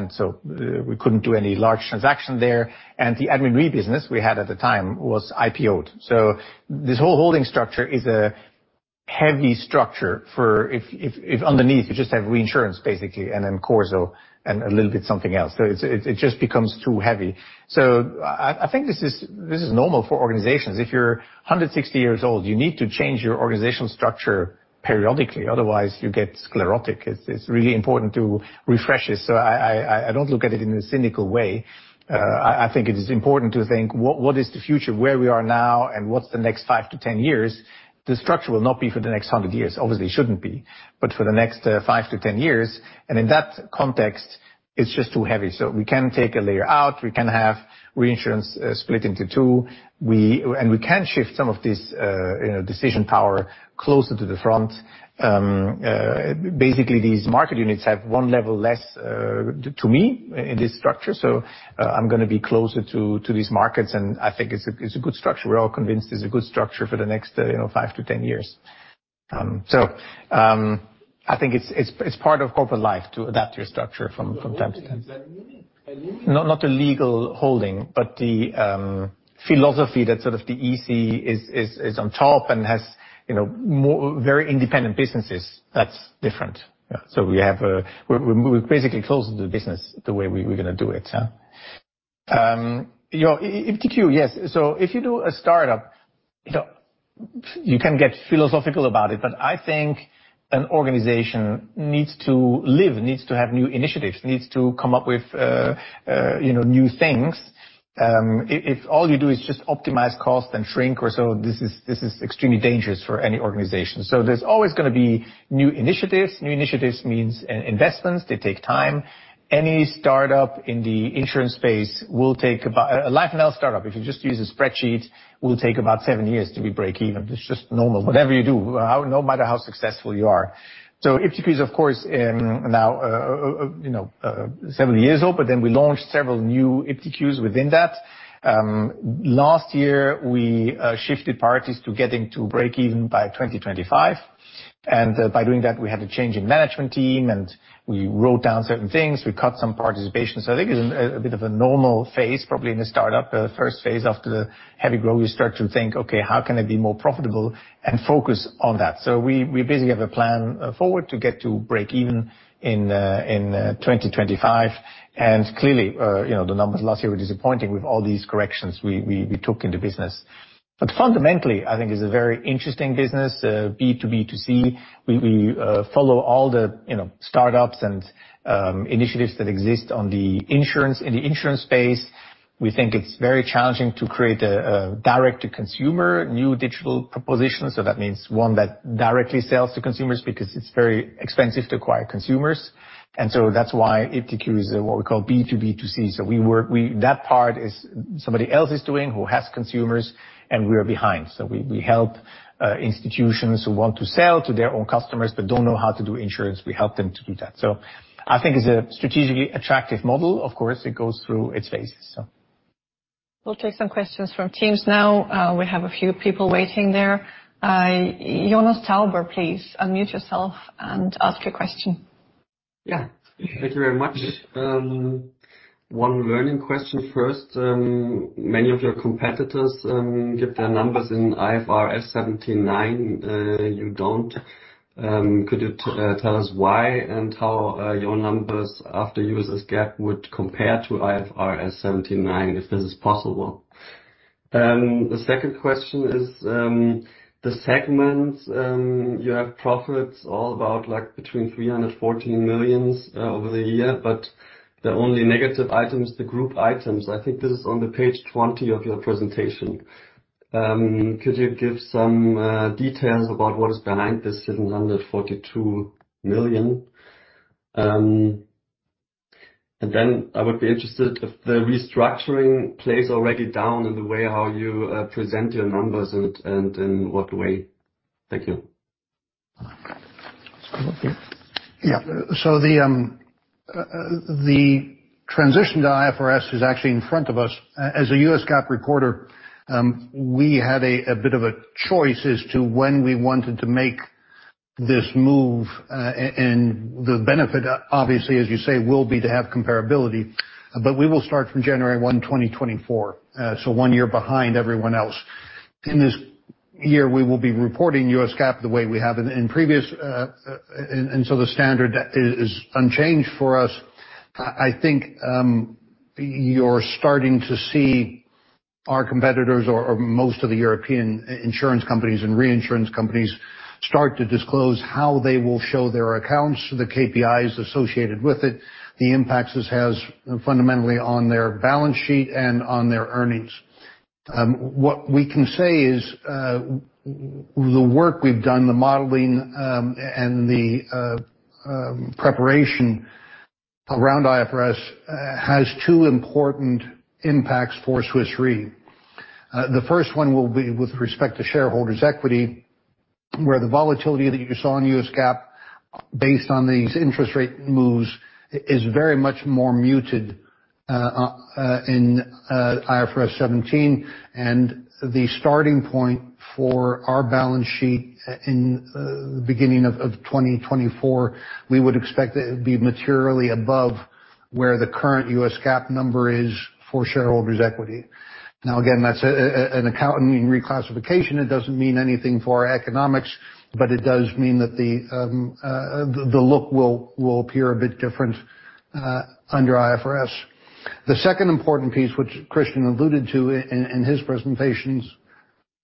We couldn't do any large transaction there. The Admin Re business we had at the time was IPO'd. This whole holding structure is a heavy structure for if underneath you just have reinsurance basically, and then CorSo and a little bit something else. It just becomes too heavy. I think this is normal for organizations. If you're 160 years old, you need to change your organizational structure periodically, otherwise you get sclerotic. It's really important to refresh it. I don't look at it in a cynical way. I think it is important to think what is the future, where we are now, and what's the next 5-10 years. The structure will not be for the next 100 years. Obviously, it shouldn't be. For the next 5-10 years. In that context. It's just too heavy, so we can take a layer out, we can have reinsurance, split into two. We can shift some of this, you know, decision power closer to the front. Basically these market units have one level less to me in this structure, so I'm gonna be closer to these markets, and I think it's a good structure. We're all convinced it's a good structure for the next, you know, 5-10 years. I think it's, it's part of corporate life to adapt your structure from time to time. Not a legal holding, the philosophy that sort of the EC is on top and has, you know, very independent businesses, that's different. We're basically closing the business the way we're gonna do it. Your iptiQ, yes. If you do a startup, you know, you can get philosophical about it, but I think an organization needs to live, needs to have new initiatives, needs to come up with, you know, new things. If all you do is just optimize cost and shrink or so, this is extremely dangerous for any organization. There's always gonna be new initiatives. New initiatives means investments. They take time. Any startup in the insurance space will take about. A life and health startup, if you just use a spreadsheet, will take about seven years to be break even. It's just normal. Whatever you do, no matter how successful you are. iptiQ is, of course, now, you know, seven years old, but then we launched several new iptiQs within that. Last year we shifted priorities to getting to break even by 2025, and by doing that, we had a change in management team, and we wrote down certain things. We cut some participation. I think it's a bit of a normal phase, probably in the startup. The first phase after the heavy growth, you start to think, "Okay, how can I be more profitable?" Focus on that. We basically have a plan forward to get to break even in 2025. Clearly, you know, the numbers last year were disappointing with all these corrections we took in the business. Fundamentally, I think it's a very interesting business, B2B2C. We follow all the, you know, startups and initiatives that exist in the insurance space. We think it's very challenging to create a direct to consumer new digital proposition, so that means one that directly sells to consumers because it's very expensive to acquire consumers. That's why iptiQ is what we call B2B2C. That part is somebody else is doing, who has consumers, and we are behind. We help institutions who want to sell to their own customers but don't know how to do insurance, we help them to do that. I think it's a strategically attractive model. Of course, it goes through its phases, so. We'll take some questions from teams now. We have a few people waiting there. Jonas Tauber, please unmute yourself and ask your question. Yeah. Thank you very much. One learning question first. Many of your competitors give their numbers in IFRS 17. You don't. Could you tell us why and how your numbers after US GAAP would compare to IFRS 17, if this is possible? The second question is, the segments, you have profits all about like between $314 million over the year, but the only negative item is the group items. I think this is on the page 20 of your presentation. Could you give some details about what is behind this $742 million? I would be interested if the restructuring plays already down in the way how you present your numbers and in what way. Thank you. Okay. Yeah. The transition to IFRS is actually in front of us. As a US GAAP recorder, we had a bit of a choice as to when we wanted to make this move, and the benefit, obviously, as you say, will be to have comparability. We will start from January 1, 2024, so one year behind everyone else. In this year, we will be reporting US GAAP the way we have in previous. The standard is unchanged for us. I think, you're starting to see our competitors or most of the European insurance companies and reinsurance companies start to disclose how they will show their accounts, the KPIs associated with it, the impacts this has fundamentally on their balance sheet and on their earnings. What we can say is, the work we've done, the modeling, and the preparation around IFRS has two important impacts for Swiss Re. The first one will be with respect to shareholders' equity, where the volatility that you saw in US GAAP based on these interest rate moves is very much more muted in IFRS 17. The starting point for our balance sheet in the beginning of 2024, we would expect it'd be materially above where the current US GAAP number is for shareholders' equity. Now again, that's a account and reclassification. It doesn't mean anything for our economics, but it does mean that the look will appear a bit different under IFRS. The second important piece, which Christian alluded to in his presentations.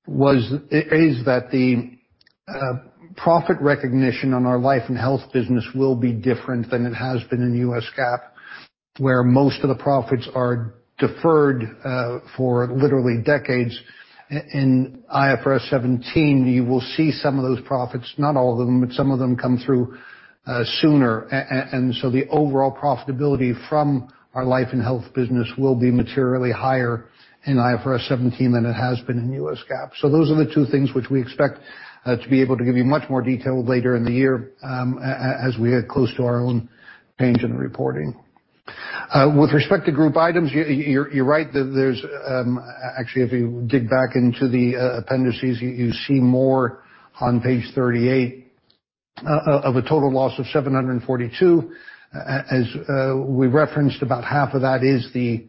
Is that the profit recognition on our life and health business will be different than it has been in US GAAP, where most of the profits are deferred for literally decades. In IFRS 17, you will see some of those profits, not all of them, but some of them come through sooner. The overall profitability from our life and health business will be materially higher in IFRS 17 than it has been in US GAAP. Those are the two things which we expect to be able to give you much more detail later in the year as we get close to our own change in reporting. With respect to group items, you're right. There's actually, if you dig back into the appendices, you see more on page 38 of a total loss of $742. As we referenced, about half of that is the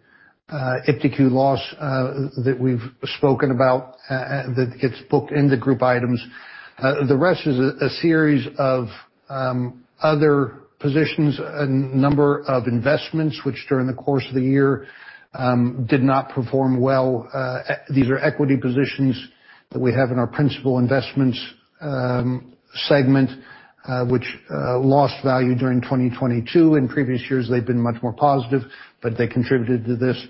iptiQ loss that we've spoken about and that gets booked into group items. The rest is a series of other positions and number of investments which during the course of the year did not perform well. These are equity positions that we have in our principal investments segment which lost value during 2022. In previous years they've been much more positive, but they contributed to this.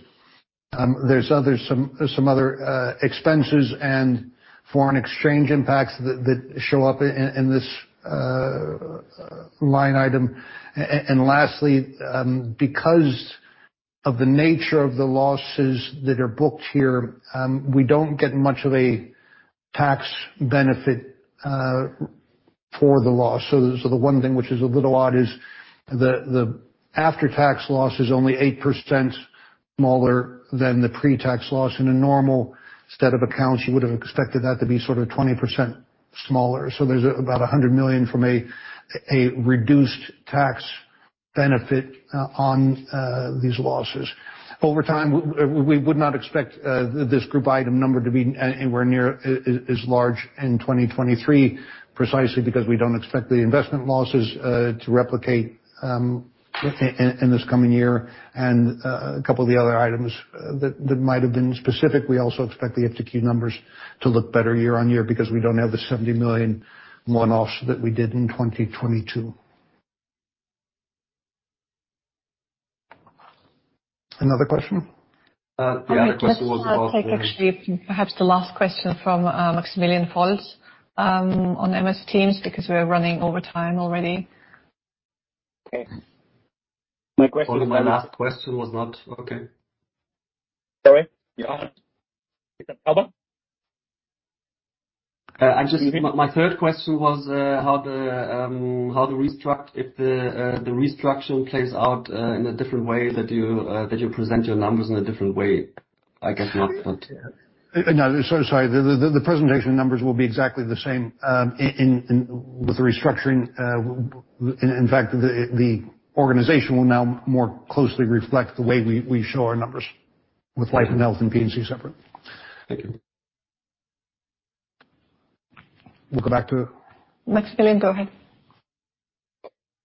There's some other expenses and foreign exchange impacts that show up in this line item. Lastly, because of the nature of the losses that are booked here, we don't get much of a tax benefit for the loss. The, so the one thing which is a little odd is the after-tax loss is only 8% smaller than the pre-tax loss. In a normal set of accounts, you would have expected that to be sort of 20% smaller. There's about $100 million from a reduced tax benefit on these losses. Over time, we would not expect this group item number to be anywhere near as large in 2023, precisely because we don't expect the investment losses to replicate in this coming year. A couple of the other items that might have been specific. We also expect the iptiQ numbers to look better year-over-year because we don't have the $70 million one-offs that we did in 2022. Another question? yeah. My question was about- Let's take actually perhaps the last question from Maximilian Volz on Microsoft Teams, because we are running over time already. Okay. My question- Volz, go ahead. My last question was not... Okay. Sorry? Yeah. Is there a problem? I'm Can you hear me? My third question was, if the restructuring plays out in a different way that you present your numbers in a different way, I guess. No, so sorry. The presentation numbers will be exactly the same, with the restructuring. In fact, the organization will now more closely reflect the way we show our numbers with life and health and P&C separate. Thank you. We'll go back to... Maximilian, go ahead.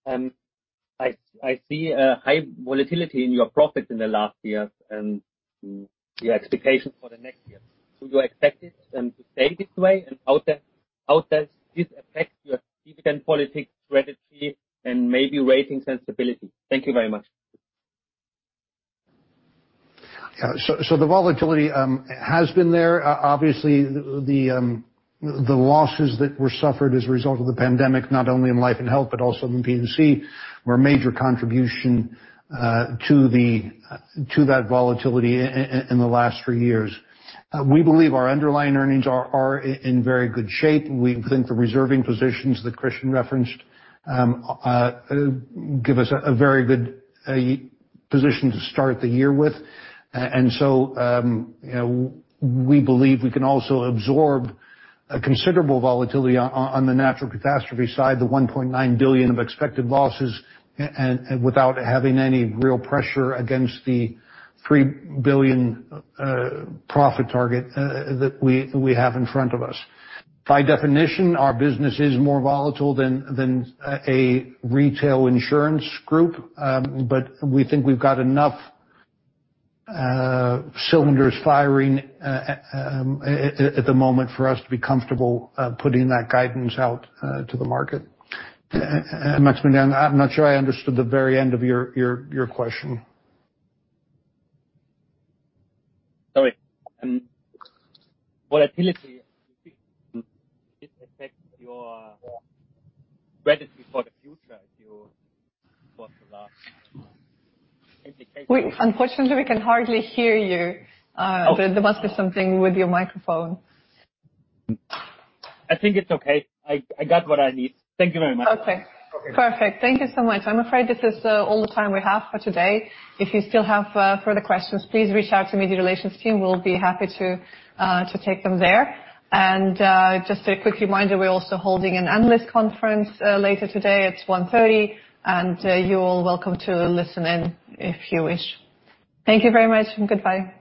I see a high volatility in your profits in the last year, and your expectations for the next year. Do you expect it to stay this way? How does this affect your dividend politics strategy and maybe rating sensibility? Thank you very much. Yeah. The volatility has been there. Obviously the losses that were suffered as a result of the pandemic, not only in life and health but also in P&C, were a major contribution to the to that volatility in the last three years. We believe our underlying earnings are in very good shape. We think the reserving positions that Christian referenced give us a very good position to start the year with. you know, we believe we can also absorb a considerable volatility on the natural catastrophe side, the $1.9 billion of expected losses, and without having any real pressure against the $3 billion profit target that we have in front of us. By definition, our business is more volatile than a retail insurance group. We think we've got enough cylinders firing at the moment for us to be comfortable putting that guidance out to the market. Maximilian, I'm not sure I understood the very end of your question. Sorry. Volatility affect your strategy for the future if you Unfortunately, we can hardly hear you. There must be something with your microphone. I think it's okay. I got what I need. Thank you very much. Okay. Okay. Perfect. Thank you so much. I'm afraid this is all the time we have for today. If you still have further questions, please reach out to media relations team, we'll be happy to take them there. Just a quick reminder, we're also holding an analyst conference later today at 1:30 P.M., and you're all welcome to listen in if you wish. Thank you very much and goodbye.